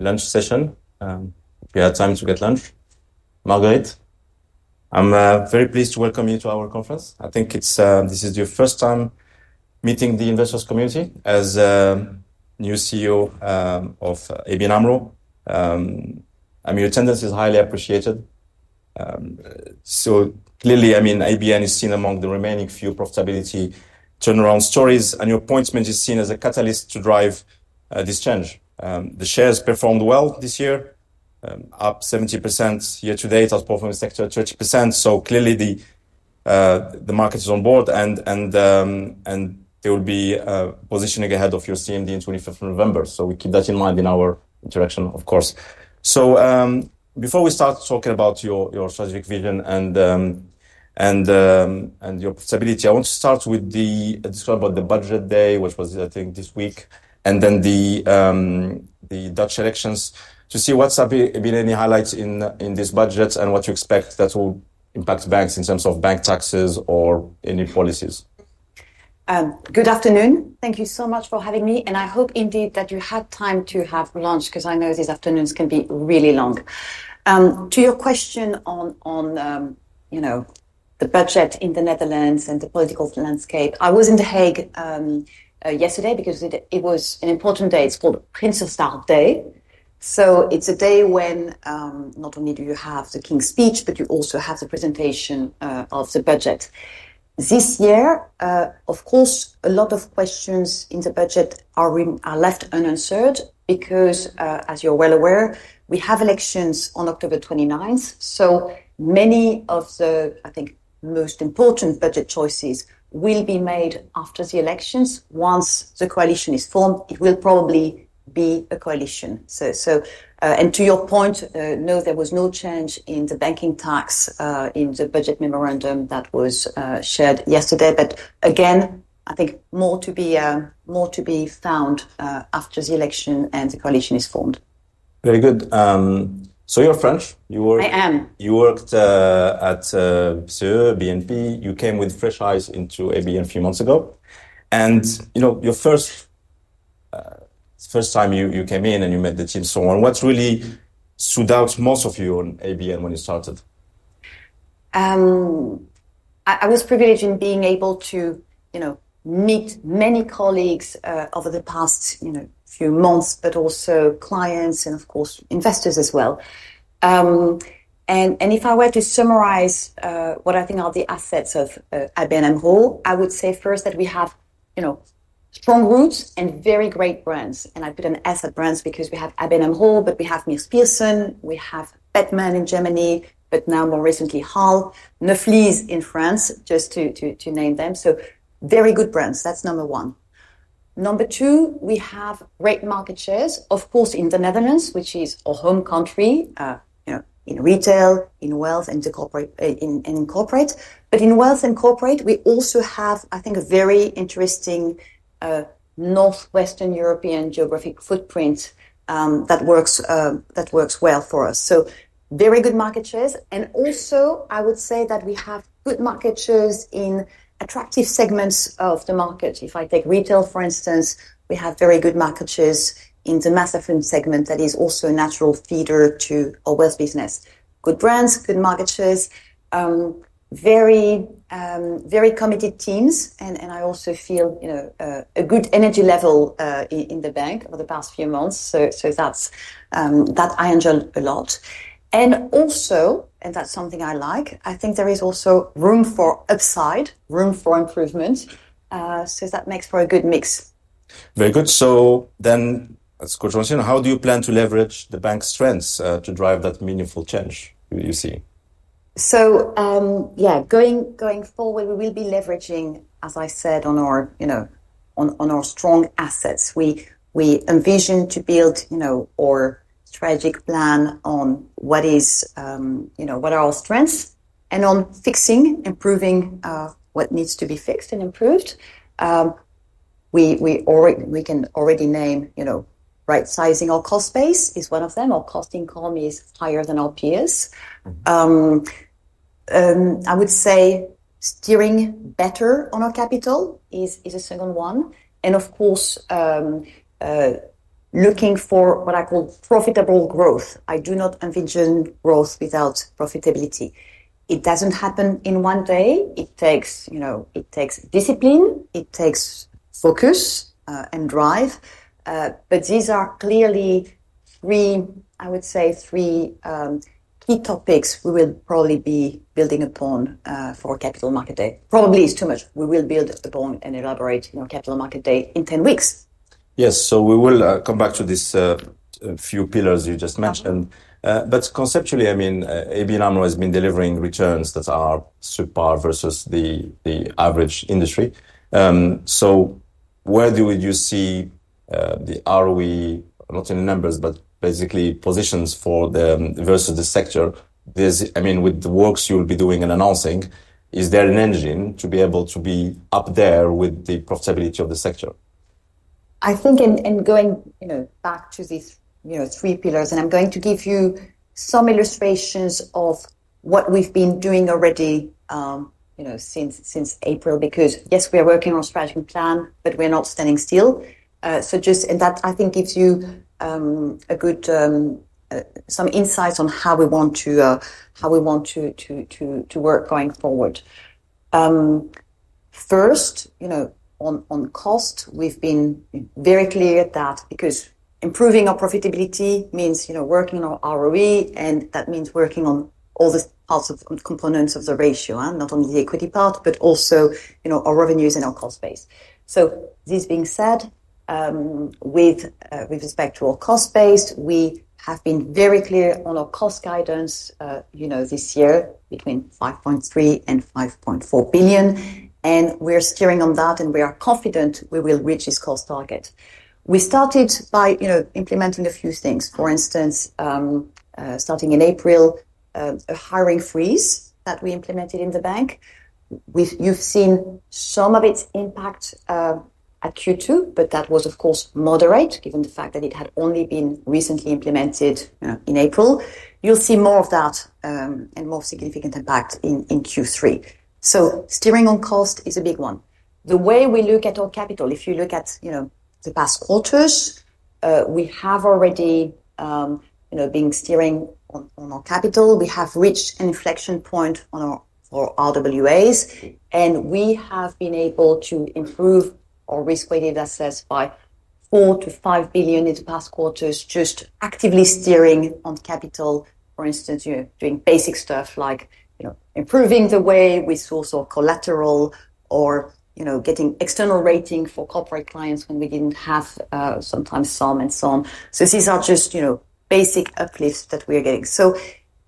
lunch session. We had time to get lunch. Marguerite, I'm very pleased to welcome you to our conference. I think this is your first time meeting the investors' community as the new CEO of ABN AMRO. I mean, your attendance is highly appreciated. ABN is seen among the remaining few profitability turnaround stories, and your appointment is seen as a catalyst to drive this change. The shares performed well this year, up 70% year to date. Our portfolio sector, 30%. Clearly, the market is on board. They will be positioning ahead of your CMD on 25th of November. We keep that in mind in our interaction, of course. Before we start talking about your strategic vision and your stability, I want to start with the discussion about the budget day, which was, I think, this week, and then the Dutch elections to see what's happening, if there are any highlights in this budget and what you expect that will impact banks in terms of bank taxes or any policies. Good afternoon. Thank you so much for having me. I hope indeed that you had time to have lunch because I know these afternoons can be really long. To your question on the budget in the Netherlands and the political landscape, I was in The Hague yesterday because it was an important day. It's called Prinsesdag Day. It's a day when not only do you have the king's speech, but you also have the presentation of the budget. This year, of course, a lot of questions in the budget are left unanswered because, as you're well aware, we have elections on October 29. Many of the, I think, most important budget choices will be made after the elections. Once the coalition is formed, it will probably be a coalition. To your point, no, there was no change in the banking tax in the budget memorandum that was shared yesterday. I think more to be found after the election and the coalition is formed. Very good. You're French. I am. You worked at BNP. You came with fresh eyes into ABN AMRO a few months ago. Your first time you came in and you met the team, what really stood out most to you on ABN AMRO when you started? I was privileged in being able to meet many colleagues over the past few months, but also clients and, of course, investors as well. If I were to summarize what I think are the assets of ABN AMRO, I would say first that we have strong roots and very great brands. I put them as brands because we have ABN AMRO, but we have Neuflize OBC, we have Bethmann Bank in Germany, but now more recently HAL, Neuflize OBC in France, just to name them. Very good brands. That's number one. Number two, we have great market shares, of course, in the Netherlands, which is our home country, in retail, in wealth, and in corporate. In wealth and corporate, we also have, I think, a very interesting Northwestern European geographic footprint that works well for us. Very good market shares. I would also say that we have good market shares in attractive segments of the market. If I take retail, for instance, we have very good market shares in the mass affluent segment that is also a natural feeder to our wealth business. Good brands, good market shares, very committed teams. I also feel a good energy level in the bank over the past few months. I enjoy that a lot. I think there is also room for upside, room for improvement. That makes for a good mix. Very good. That’s a conclusion. How do you plan to leverage the bank’s strengths to drive that meaningful change you see? Going forward, we will be leveraging, as I said, on our strong assets. We envision to build our strategic plan on what are our strengths and on fixing, improving what needs to be fixed and improved. We can already name right-sizing our cost base as one of them. Our cost income is higher than our peers. I would say steering better on our capital is a second one. Of course, looking for what I call profitable growth. I do not envision growth without profitability. It doesn't happen in one day. It takes discipline. It takes focus and drive. These are clearly three, I would say, three key topics we will probably be building upon for Capital Market Day. Probably it's too much. We will build upon and elaborate on Capital Market Day in 10 weeks. Yes, we will come back to these few pillars you just mentioned. Conceptually, I mean, ABN AMRO has been delivering returns that are subpar versus the average industry. Where do you see the ROE, not in numbers, but basically positions for the versus the sector? I mean, with the works you'll be doing and announcing, is there an engine to be able to be up there with the profitability of the sector? I think in going back to these three pillars, and I'm going to give you some illustrations of what we've been doing already since April because, yes, we are working on a strategy plan, but we're not standing still. Just that, I think, gives you some insights on how we want to work going forward. First, on cost, we've been very clear that improving our profitability means working on our ROE. That means working on all the parts of the components of the ratio, not only the equity part, but also our revenues and our cost base. This being said, with respect to our cost base, we have been very clear on our cost guidance this year between $5.3 and $5.4 billion. We're steering on that, and we are confident we will reach this cost target. We started by implementing a few things. For instance, starting in April, a hiring freeze that we implemented in the bank. You've seen some of its impact at Q2, but that was, of course, moderate given the fact that it had only been recently implemented in April. You'll see more of that and more significant impact in Q3. Steering on cost is a big one. The way we look at our capital, if you look at the past quarters, we have already been steering on our capital. We have reached an inflection point on our RWAs, and we have been able to improve our risk-related assets by $4 to $5 billion in the past quarters, just actively steering on capital. For instance, doing basic stuff like improving the way we source our collateral or getting external rating for corporate clients when we didn't have sometimes some and some. These are just basic uplifts that we are getting.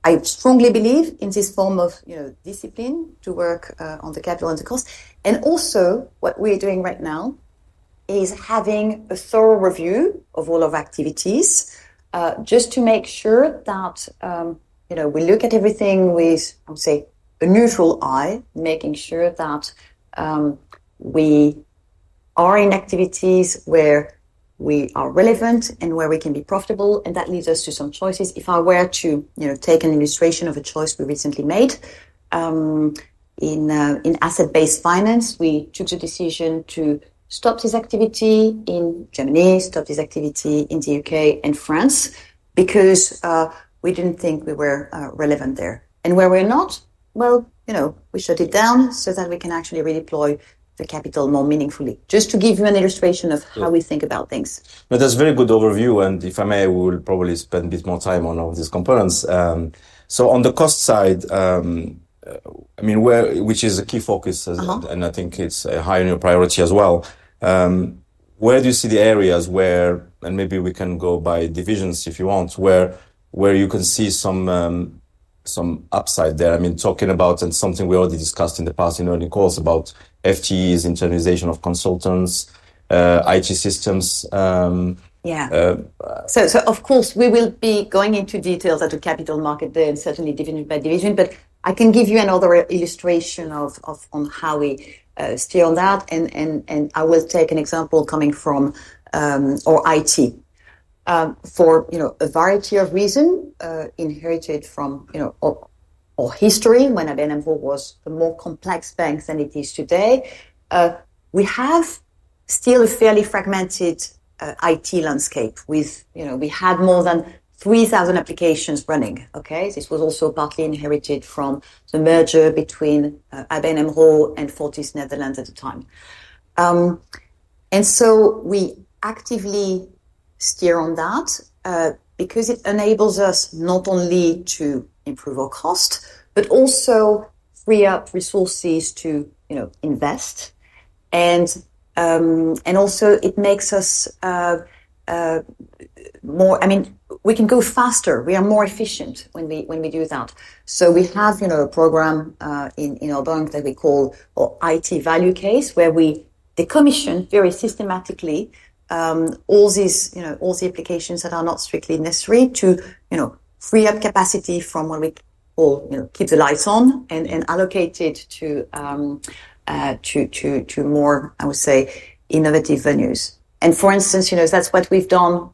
I strongly believe in this form of discipline to work on the capital and the cost. Also, what we're doing right now is having a thorough review of all of our activities just to make sure that we look at everything with, I would say, a neutral eye, making sure that we are in activities where we are relevant and where we can be profitable. That leads us to some choices. If I were to take an illustration of a choice we recently made in asset-based finance, we took the decision to stop this activity in Germany, stop this activity in the UK and France because we didn't think we were relevant there. Where we're not, we shut it down so that we can actually redeploy the capital more meaningfully, just to give you an illustration of how we think about things. That's a very good overview. If I may, we'll probably spend a bit more time on all of these components. On the cost side, which is a key focus, and I think it's high on your priority as well, where do you see the areas where, and maybe we can go by divisions if you want, where you can see some upside there? Talking about, and something we already discussed in the past in earnings calls, about FTEs, internalization of consultants, IT systems. Yeah. Of course, we will be going into details at the Capital Market Day and certainly dividend by division. I can give you another illustration on how we steer on that. I will take an example coming from our IT. For a variety of reasons, inherited from our history, when ABN AMRO was a more complex bank than it is today, we have still a fairly fragmented IT landscape. We had more than 3,000 applications running. This was also partly inherited from the merger between ABN AMRO and Fortis Netherlands at the time. We actively steer on that because it enables us not only to improve our cost, but also free up resources to invest. It also makes us more, I mean, we can go faster. We are more efficient when we do that. We have a program in our bank that we call our IT value case, where we decommission very systematically all the applications that are not strictly necessary to free up capacity from when we keep the lights on and allocate it to more, I would say, innovative venues. For instance, that's what we've done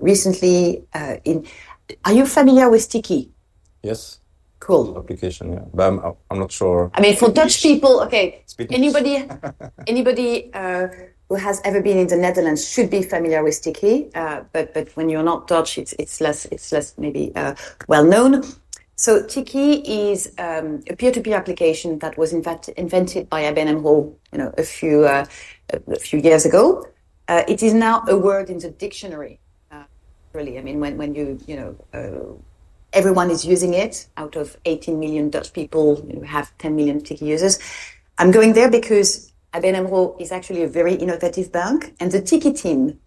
recently. Are you familiar with Tiki? Yes. Cool. Application. I'm not sure. I mean, for Dutch people, OK. Anybody who has ever been in the Netherlands should be familiar with Tiki. When you're not Dutch, it's less maybe well known. Tiki is a peer-to-peer application that was invented by ABN AMRO a few years ago. It is now a word in the dictionary, really. I mean, when everyone is using it, out of 18 million Dutch people, you have 10 million Tiki users. I'm going there because ABN AMRO is actually a very innovative bank. The Tiki team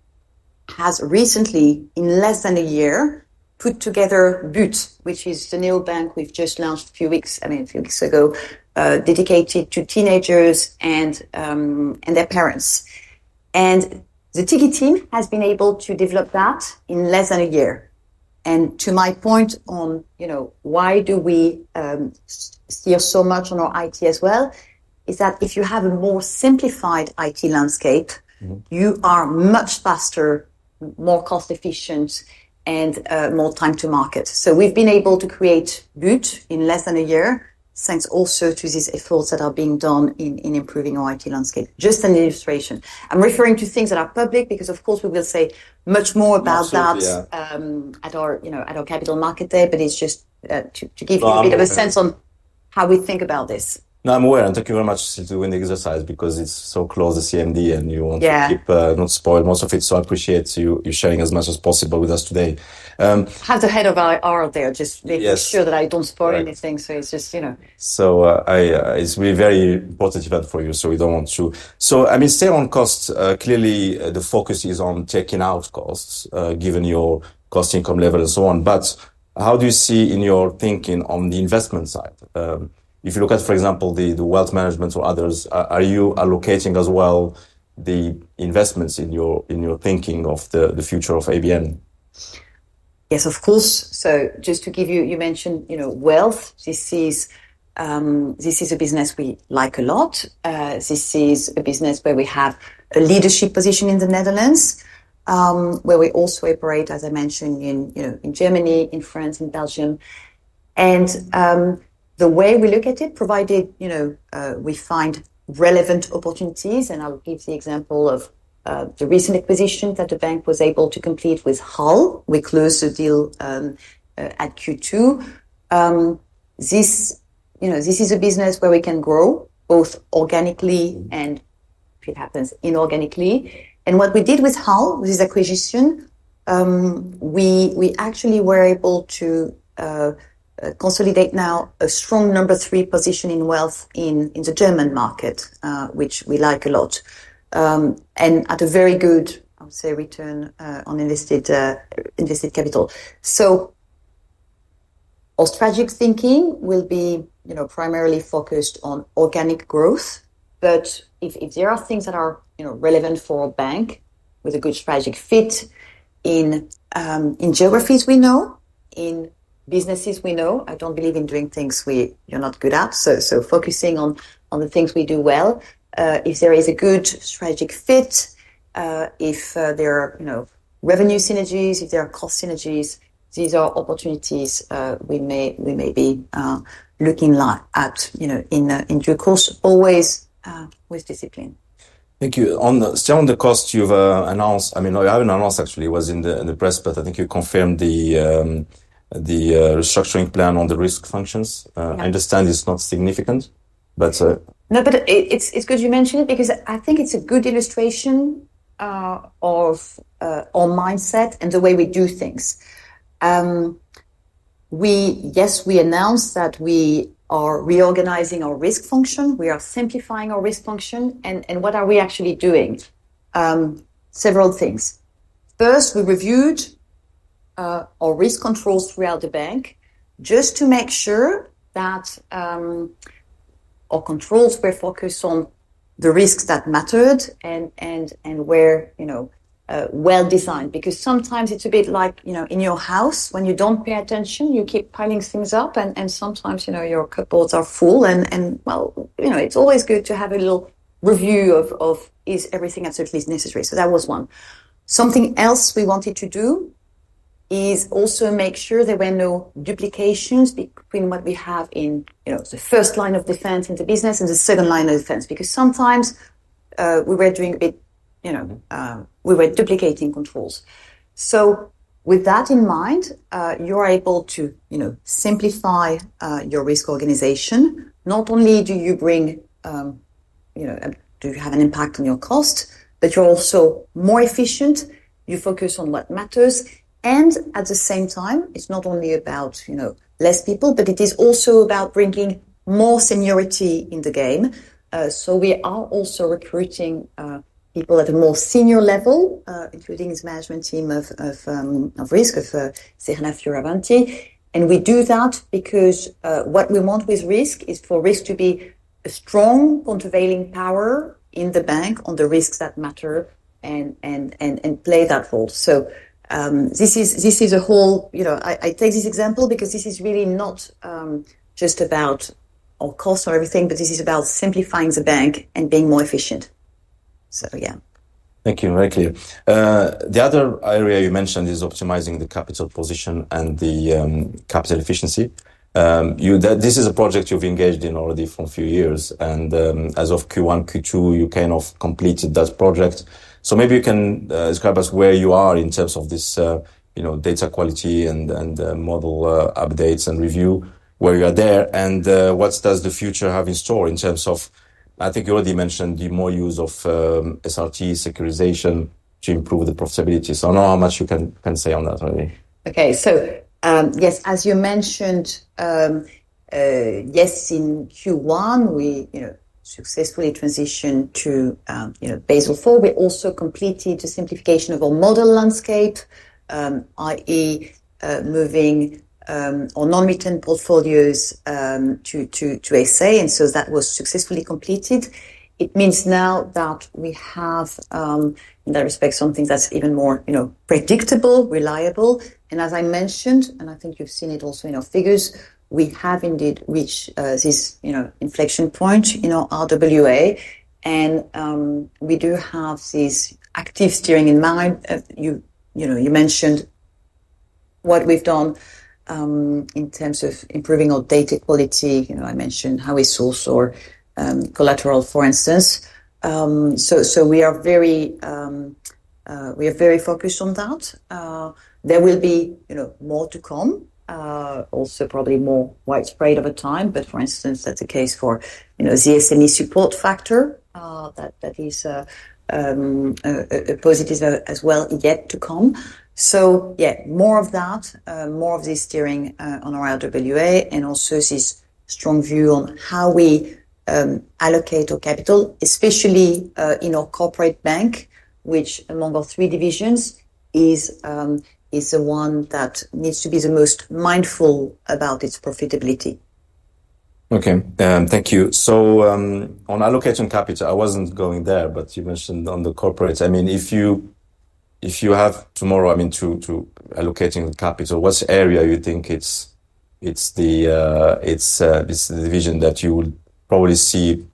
has recently, in less than a year, put together Boot, which is the new bank we've just launched a few weeks ago, dedicated to teenagers and their parents. The Tiki team has been able to develop that in less than a year. To my point on why do we steer so much on our IT as well, if you have a more simplified IT landscape, you are much faster, more cost-efficient, and more time to market. We've been able to create Boot in less than a year, thanks also to these efforts that are being done in improving our IT landscape. Just an illustration. I'm referring to things that are public because, of course, we will say much more about that at our Capital Market Day. It's just to give you a bit of a sense on how we think about this. I'm aware. Thank you very much for doing the exercise because it's so close, the CMD, and you want to keep not spoiling most of it. I appreciate you sharing as much as possible with us today. Hands ahead of our own. They'll just make sure that I don't spoil anything. It's just, you know. It's a very important event for you. We don't want to. I mean, staying on cost, clearly, the focus is on taking out costs, given your cost income level and so on. How do you see in your thinking on the investment side? If you look at, for example, the wealth management or others, are you allocating as well the investments in your thinking of the future of Standard Chartered? Yes, of course. Just to give you, you mentioned wealth. This is a business we like a lot. This is a business where we have a leadership position in the Netherlands, where we also operate, as I mentioned, in Germany, in France, and Belgium. The way we look at it, provided we find relevant opportunities, I'll give the example of the recent acquisition that the bank was able to complete with HAL. We closed the deal at Q2. This is a business where we can grow both organically and, if it happens, inorganically. What we did with HAL, with this acquisition, we actually were able to consolidate now a strong number three position in wealth in the German market, which we like a lot, and at a very good, I would say, return on invested capital. Our strategic thinking will be primarily focused on organic growth. If there are things that are relevant for our bank with a good strategic fit in geographies we know, in businesses we know, I don't believe in doing things we are not good at. Focusing on the things we do well, if there is a good strategic fit, if there are revenue synergies, if there are cost synergies, these are opportunities we may be looking at in due course, always with discipline. Thank you. Still on the cost, you've announced, I mean, or you haven't announced, actually, it was in the press, but I think you confirmed the restructuring plan on the risk functions. I understand it's not significant. No, but it's good you mentioned it because I think it's a good illustration of our mindset and the way we do things. Yes, we announced that we are reorganizing our risk function. We are simplifying our risk function. What are we actually doing? Several things. First, we reviewed our risk controls throughout the bank just to make sure that our controls were focused on the risks that mattered and were well designed. Sometimes it's a bit like in your house, when you don't pay attention, you keep piling things up. Sometimes your cupboards are full. It's always good to have a little review of is everything absolutely necessary. That was one. Something else we wanted to do is also make sure there were no duplications between what we have in the first line of defense in the business and the second line of defense. Sometimes we were doing a bit, you know, we were duplicating controls. With that in mind, you're able to simplify your risk organization. Not only do you bring, you know, do you have an impact on your cost, but you're also more efficient. You focus on what matters. At the same time, it's not only about less people, but it is also about bringing more seniority in the game. We are also recruiting people at a more senior level, including the management team of risk, Sehanaf Yorabanti. We do that because what we want with risk is for risk to be a strong countervailing power in the bank on the risks that matter and play that role. I take this example because this is really not just about our costs or everything, but this is about simplifying the bank and being more efficient. Yeah. Thank you, very clearly. The other area you mentioned is optimizing the capital position and the capital efficiency. This is a project you've engaged in already for a few years. As of Q1, Q2, you kind of completed that project. Maybe you can describe to us where you are in terms of this data quality and model updates and review where you are there. What does the future have in store in terms of, I think you already mentioned more use of SRT securitization to improve the profitability. I don't know how much you can say on that already. OK. Yes, as you mentioned, in Q1, we successfully transitioned to Basel floor. We also completed the simplification of our model landscape, i.e., moving our non-return portfolios to SA. That was successfully completed. It means now that we have, in that respect, something that's even more predictable and reliable. As I mentioned, and I think you've seen it also in our figures, we have indeed reached this inflection point, RWA. We do have this active steering in mind. You mentioned what we've done in terms of improving our data quality. I mentioned how we source our collateral, for instance. We are very focused on that. There will be more to come, also probably more widespread over time. For instance, that's the case for the SME support factor that is a positive as well yet to come. More of that, more of this steering on our RWA, and also this strong view on how we allocate our capital, especially in our corporate bank, which among our three divisions is the one that needs to be the most mindful about its profitability. OK. Thank you. On allocation capital, I wasn't going there, but you mentioned on the corporates. If you have tomorrow, I mean, to allocating capital, what's the area you think it's, it's this division that you would probably see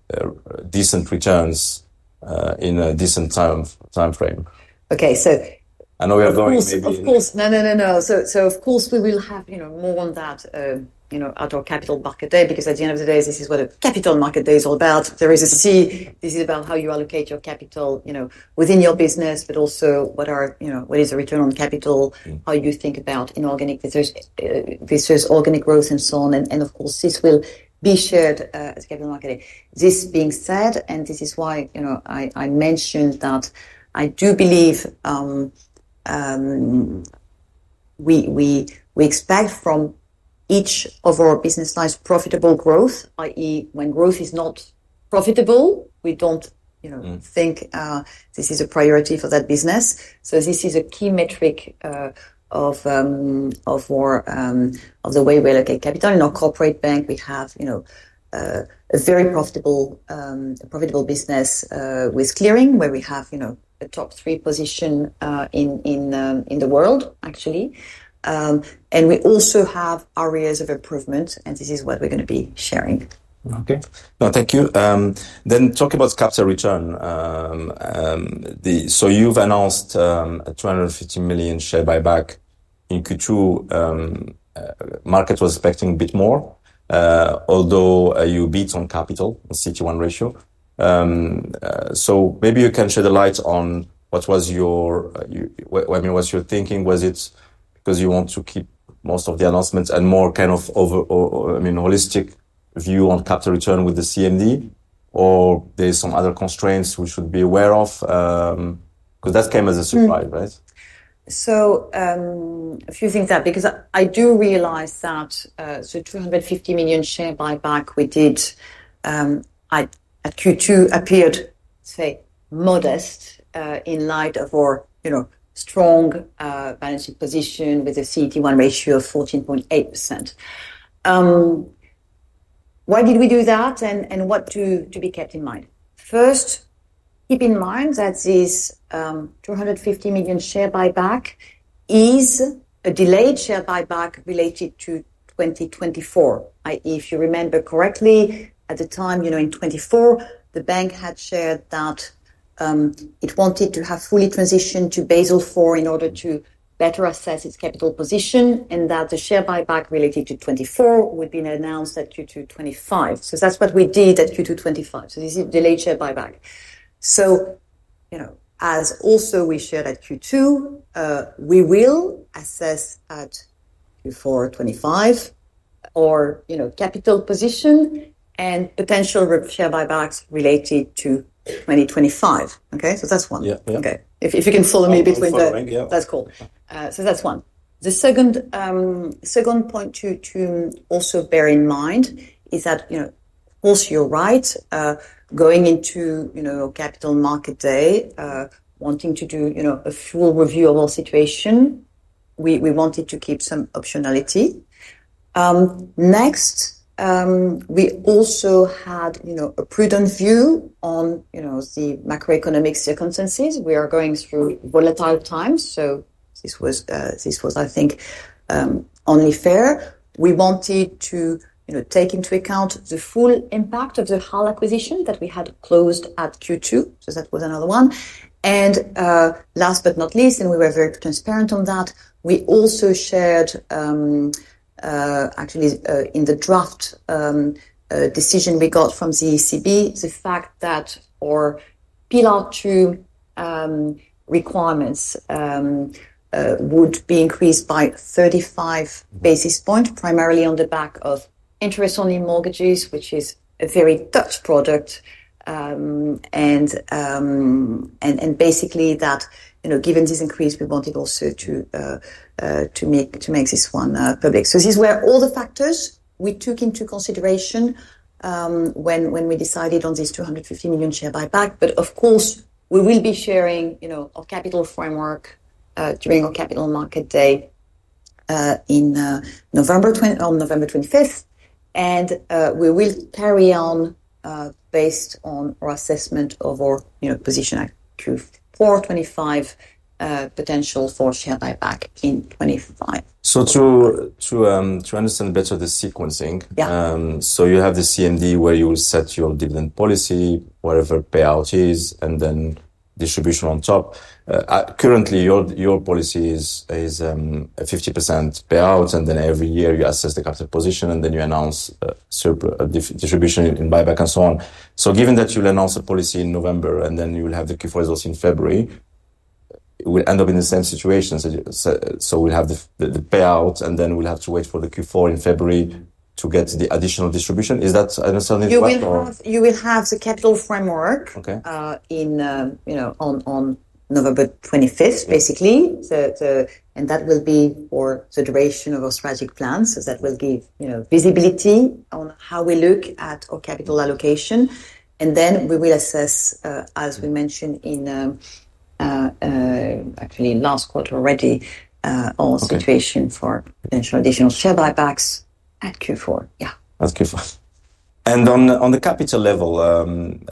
decent returns in a decent time timeframe. Okay, so. I know we are going to. Of course. We will have more on that at our capital market day, because at the end of the day, this is what a capital market day is all about. This is about how you allocate your capital within your business, but also what is the return on capital, how you think about inorganic research, organic growth, and so on. This will be shared at the capital market day. This being said, and this is why I mentioned that I do believe we expect from each of our business lines profitable growth, i.e., when growth is not profitable, we don't think this is a priority for that business. This is a key metric of the way we allocate capital. In our corporate bank, we have a very profitable business with clearing where we have a top three position in the world, actually. We also have areas of improvement, and this is what we're going to be sharing. Okay. No, thank you. Talk about capital return. You've announced a $250 million share buyback in Q2. Market was expecting a bit more, although you beat on capital on CET1 ratio. Maybe you can shed a light on what was your, I mean, what's your thinking? Was it because you want to keep most of the announcements and more kind of over, I mean, holistic view on capital return with the CMD, or are there some other constraints we should be aware of? That came as a surprise, right? A few things that, because I do realize that, the $250 million share buyback we did at Q2 appeared, say, modest, in light of our strong balance sheet position with a CET1 ratio of 14.8%. Why did we do that and what to be kept in mind? First, keep in mind that this $250 million share buyback is a delayed share buyback related to 2024. If you remember correctly, at the time, in 2024, the bank had shared that it wanted to have fully transitioned to Basel IV in order to better assess its capital position and that the share buyback related to 2024 would be announced at Q2 2025. That's what we did at Q2 2025. This is a delayed share buyback. As we also shared at Q2, we will assess at Q4 2025 our capital position and potential share buybacks related to 2025. That's one. Yeah. Okay. If you can follow me between the, that's cool. So that's one. The second point to also bear in mind is that, you know, of course you're right, going into, you know, a capital market day, wanting to do, you know, a full review of our situation. We wanted to keep some optionality. Next, we also had, you know, a prudent view on, you know, the macroeconomic circumstances. We are going through volatile times. This was, I think, only fair. We wanted to, you know, take into account the full impact of the HAL acquisition that we had closed at Q2. That was another one. Last but not least, and we were very transparent on that, we also shared, actually, in the draft decision we got from the ECB, the fact that our Pillar II requirements would be increased by 35 bps, primarily on the back of interest-only mortgages, which is a very Dutch product. Basically, given this increase, we wanted also to make this one public. These were all the factors we took into consideration when we decided on this €250 million share buyback. Of course, we will be sharing our capital framework during our capital market day in November, on November 25th. We will carry on, based on our assessment of our position at Q4 2025, potential for share buyback in 2025. To understand better the sequencing, you have the CMD where you will set your dividend policy, whatever payout is, and then distribution on top. Currently, your policy is a 50% payout, and then every year you assess the capital position, and then you announce distribution and buyback and so on. Given that you'll announce a policy in November, and then you will have the Q4 results in February, we'll end up in the same situation. We'll have the payout, and then we'll have to wait for the Q4 in February to get the additional distribution. Is that understanding? You will have the capital framework on November 25th, basically. That will be for the duration of our strategic plan. That will give visibility on how we look at our capital allocation. We will assess, as we mentioned actually last quarter already, our situation for potential additional share buybacks at Q4. At Q4. On the capital level,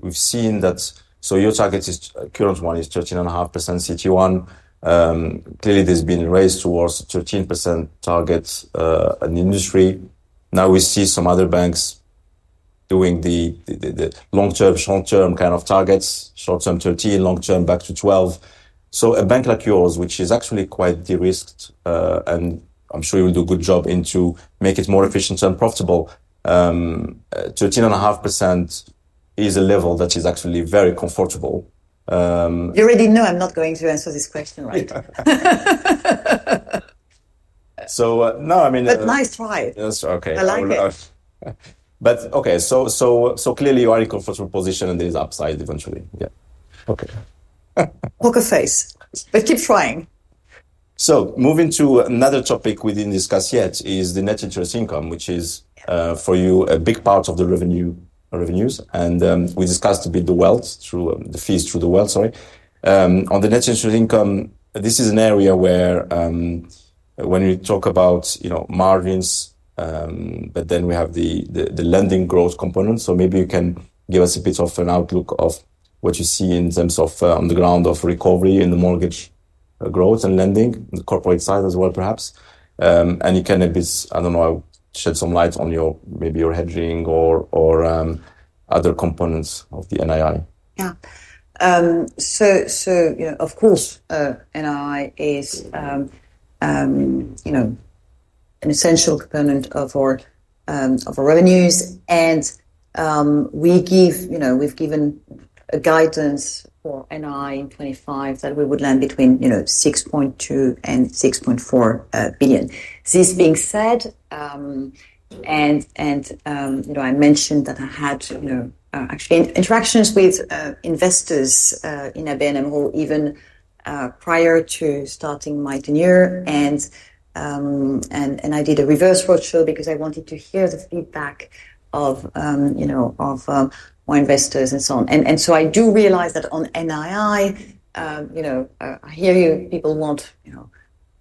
we've seen that your target is, current one is 13.5% CET1. Clearly, there's been a race towards 13% targets in the industry. Now we see some other banks doing the long-term, short-term kind of targets, short-term 13%, long-term back to 12%. A bank like yours, which is actually quite derisked, and I'm sure you'll do a good job making it more efficient and profitable, 13.5% is a level that is actually very comfortable. You already know I'm not going to answer this question, right? I mean. Nice try. Yes, okay. I like it. Clearly you are in a comfortable position and there's upside eventually. Yeah. Okay. Poker face. Let's keep trying. Moving to another topic we didn't discuss yet is the net interest income, which is, for you, a big part of the revenue. We discussed a bit the wealth through the fees, through the wealth, sorry. On the net interest income, this is an area where, when you talk about, you know, margins, but then we have the lending growth component. Maybe you can give us a bit of an outlook of what you see in terms of on the ground of recovery in the mortgage growth and lending, corporate size as well, perhaps. You can have this, I don't know, shed some light on maybe your hedging or other components of the NII. Yeah, of course, NII is an essential component of our revenues. We have given guidance for NII in 2025 that we would land between $6.2 billion and $6.4 billion. This being said, I mentioned that I had interactions with investors in Standard Chartered even prior to starting my tenure. I did a reverse roadshow because I wanted to hear the feedback of my investors and so on. I do realize that on NII, I hear you, people want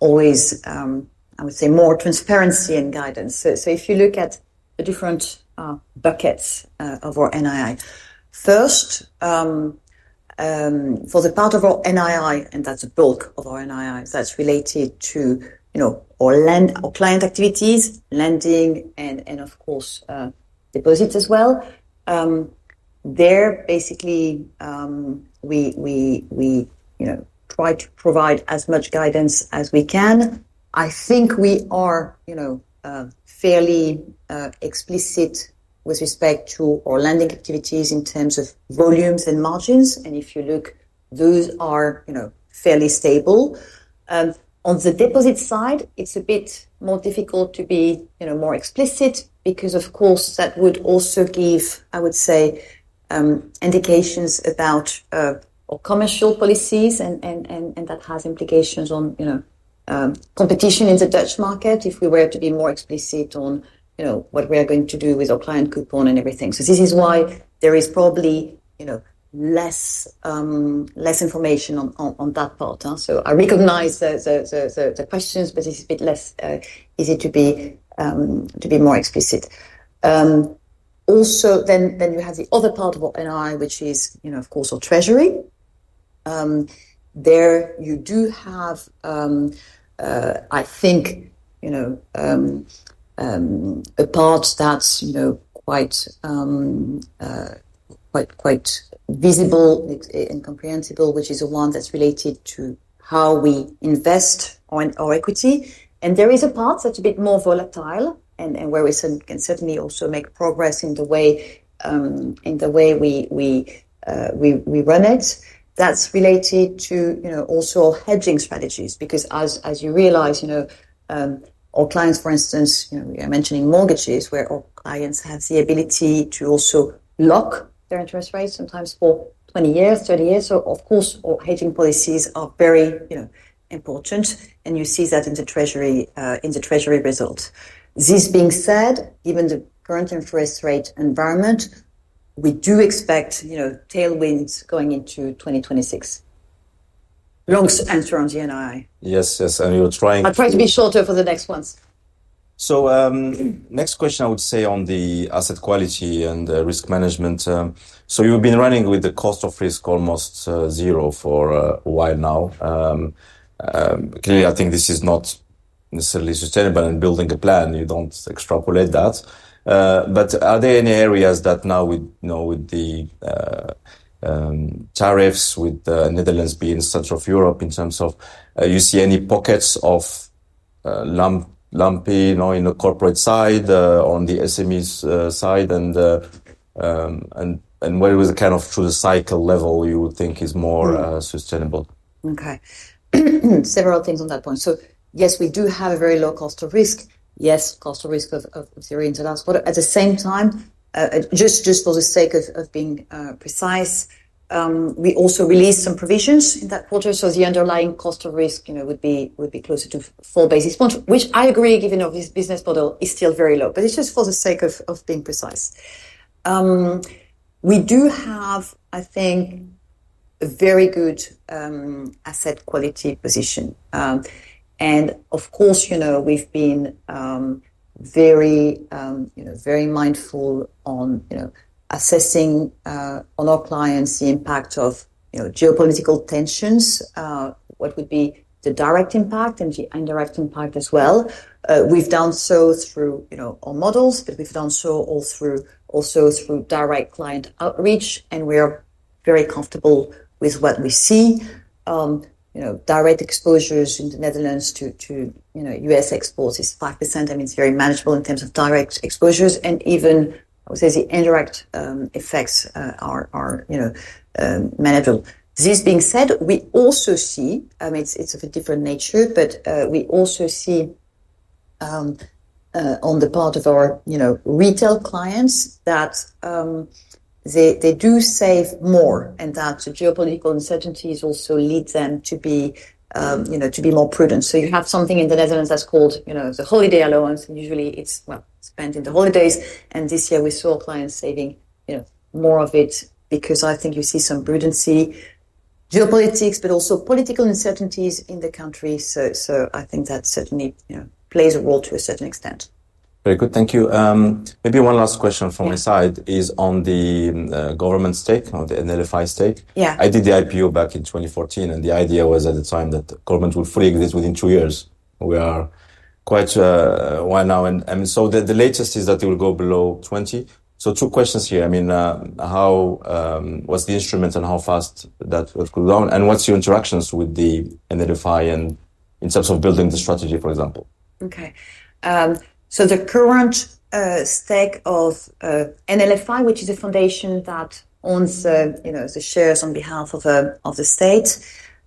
more transparency and guidance. If you look at the different buckets of our NII, first, for the part of our NII, and that's the bulk of our NII, that's related to our client activities, lending, and of course, deposits as well. There, we try to provide as much guidance as we can. I think we are fairly explicit with respect to our lending activities in terms of volumes and margins. If you look, those are fairly stable. On the deposit side, it's a bit more difficult to be more explicit because that would also give indications about our commercial policies, and that has implications on competition in the Dutch market if we were to be more explicit on what we are going to do with our client coupon and everything. This is why there is probably less information on that part. I recognize the questions, but it's a bit less easy to be more explicit. Also, then you have the other part of our NII, which is our treasury. There you do have a part that's quite visible and comprehensible, which is the one that's related to how we invest on our equity. There is a part that's a bit more volatile and where we can certainly also make progress in the way we run it. That's related to our hedging strategies because as you realize, our clients, for instance, you're mentioning mortgages where our clients have the ability to also lock their interest rates sometimes for 20 years, 30 years. Of course, our hedging policies are very important. You see that in the treasury results. This being said, given the current interest rate environment, we do expect tailwinds going into 2026. Long answer on the NII. Yes, we're trying. I'll try to be shorter for the next ones. The next question I would say is on the asset quality and the risk management. You've been running with the cost of risk almost zero for a while now. Clearly, I think this is not necessarily sustainable in building a plan. You don't extrapolate that. Are there any areas that now, with the tariffs, with the Netherlands being the center of Europe in terms of, do you see any pockets of lumpy, you know, in the corporate side, on the SMEs side, where it was kind of through the cycle level you would think is more sustainable? Okay. Several things on that point. Yes, we do have a very low cost of risk. Yes, cost of risk of the arrangement. At the same time, just for the sake of being precise, we also released some provisions in that quarter. The underlying cost of risk would be closer to four basis points, which I agree, given our business model, is still very low. It is just for the sake of being precise. We do have, I think, a very good asset quality position. Of course, we've been very mindful on assessing our clients, the impact of geopolitical tensions, what would be the direct impact and the indirect impact as well. We've done so through our models, but we've also done so through direct client outreach, and we are very comfortable with what we see. Direct exposures in the Netherlands to U.S. exports is 5%. It is very manageable in terms of direct exposures, and even, I would say, the indirect effects are manageable. This being said, we also see, it is of a different nature, but we also see on the part of our retail clients that they do save more, and that the geopolitical uncertainties also lead them to be more prudent. You have something in the Netherlands that's called the holiday allowance, and usually it's spent in the holidays. This year we saw clients saving more of it because I think you see some prudency, geopolitics, but also political uncertainties in the country. I think that certainly plays a role to a certain extent. Very good. Thank you. Maybe one last question from my side is on the government stake or the NLFI stake. Yeah. I did the IPO back in 2014, and the idea was at the time that the government would fully exit within two years. We are quite, one hour. I mean, the latest is that it will go below 20. Two questions here. How was the instrument and how fast would that go down? What's your interactions with the NLFI in terms of building the strategy, for example? Okay, so the current stake of NLFI, which is a foundation that owns the shares on behalf of the state,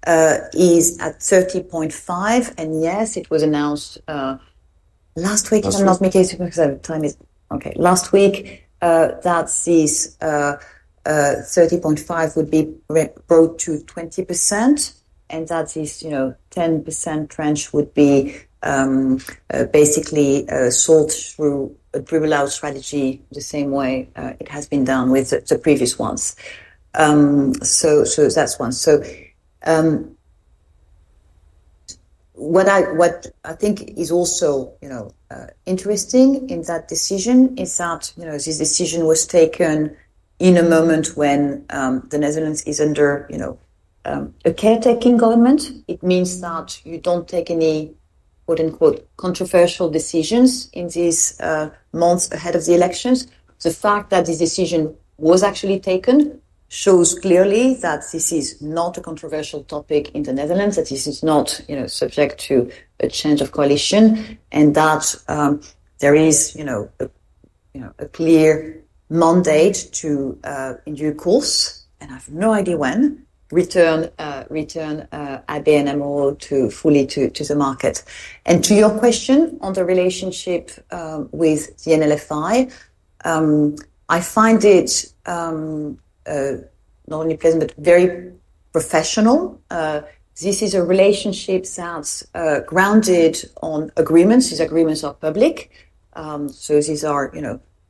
is at 30.5%. Yes, it was announced last week, if I'm not mistaken, because the time is, okay, last week, that this 30.5% would be brought to 20%. This 10% tranche would be basically sold through a driven out strategy the same way it has been done with the previous ones. That's one. What I think is also interesting in that decision is that this decision was taken in a moment when the Netherlands is under a caretaking government. It means that you don't take any, quote unquote, controversial decisions in these months ahead of the elections. The fact that this decision was actually taken shows clearly that this is not a controversial topic in the Netherlands, that this is not subject to a change of coalition, and that there is a clear mandate to, in due course, and I have no idea when, return ABN AMRO fully to the market. To your question on the relationship with the NLFI, I find it not only pleasant, but very professional. This is a relationship that's grounded on agreements. These agreements are public, so these are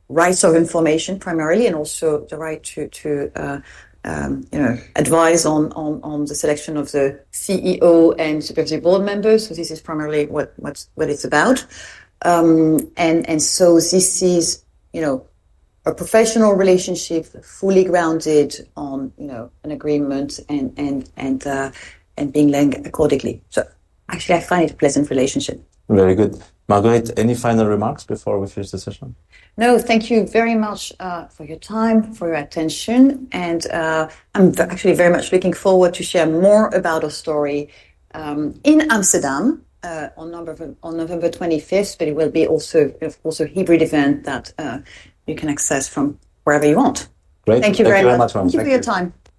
rights of information primarily, and also the right to advise on the selection of the CEO and supervisory board members. This is primarily what it's about, and this is a professional relationship fully grounded on an agreement and being linked accordingly. Actually, I find it a pleasant relationship. Very good. Marguerite, any final remarks before we finish the session? Thank you very much for your time, for your attention. I'm actually very much looking forward to share more about our story in Amsterdam on November 25th. It will also, of course, be a hybrid event that you can access from wherever you want. Great. Thank you very much. Thank you very much, Alma. Thank you for your time.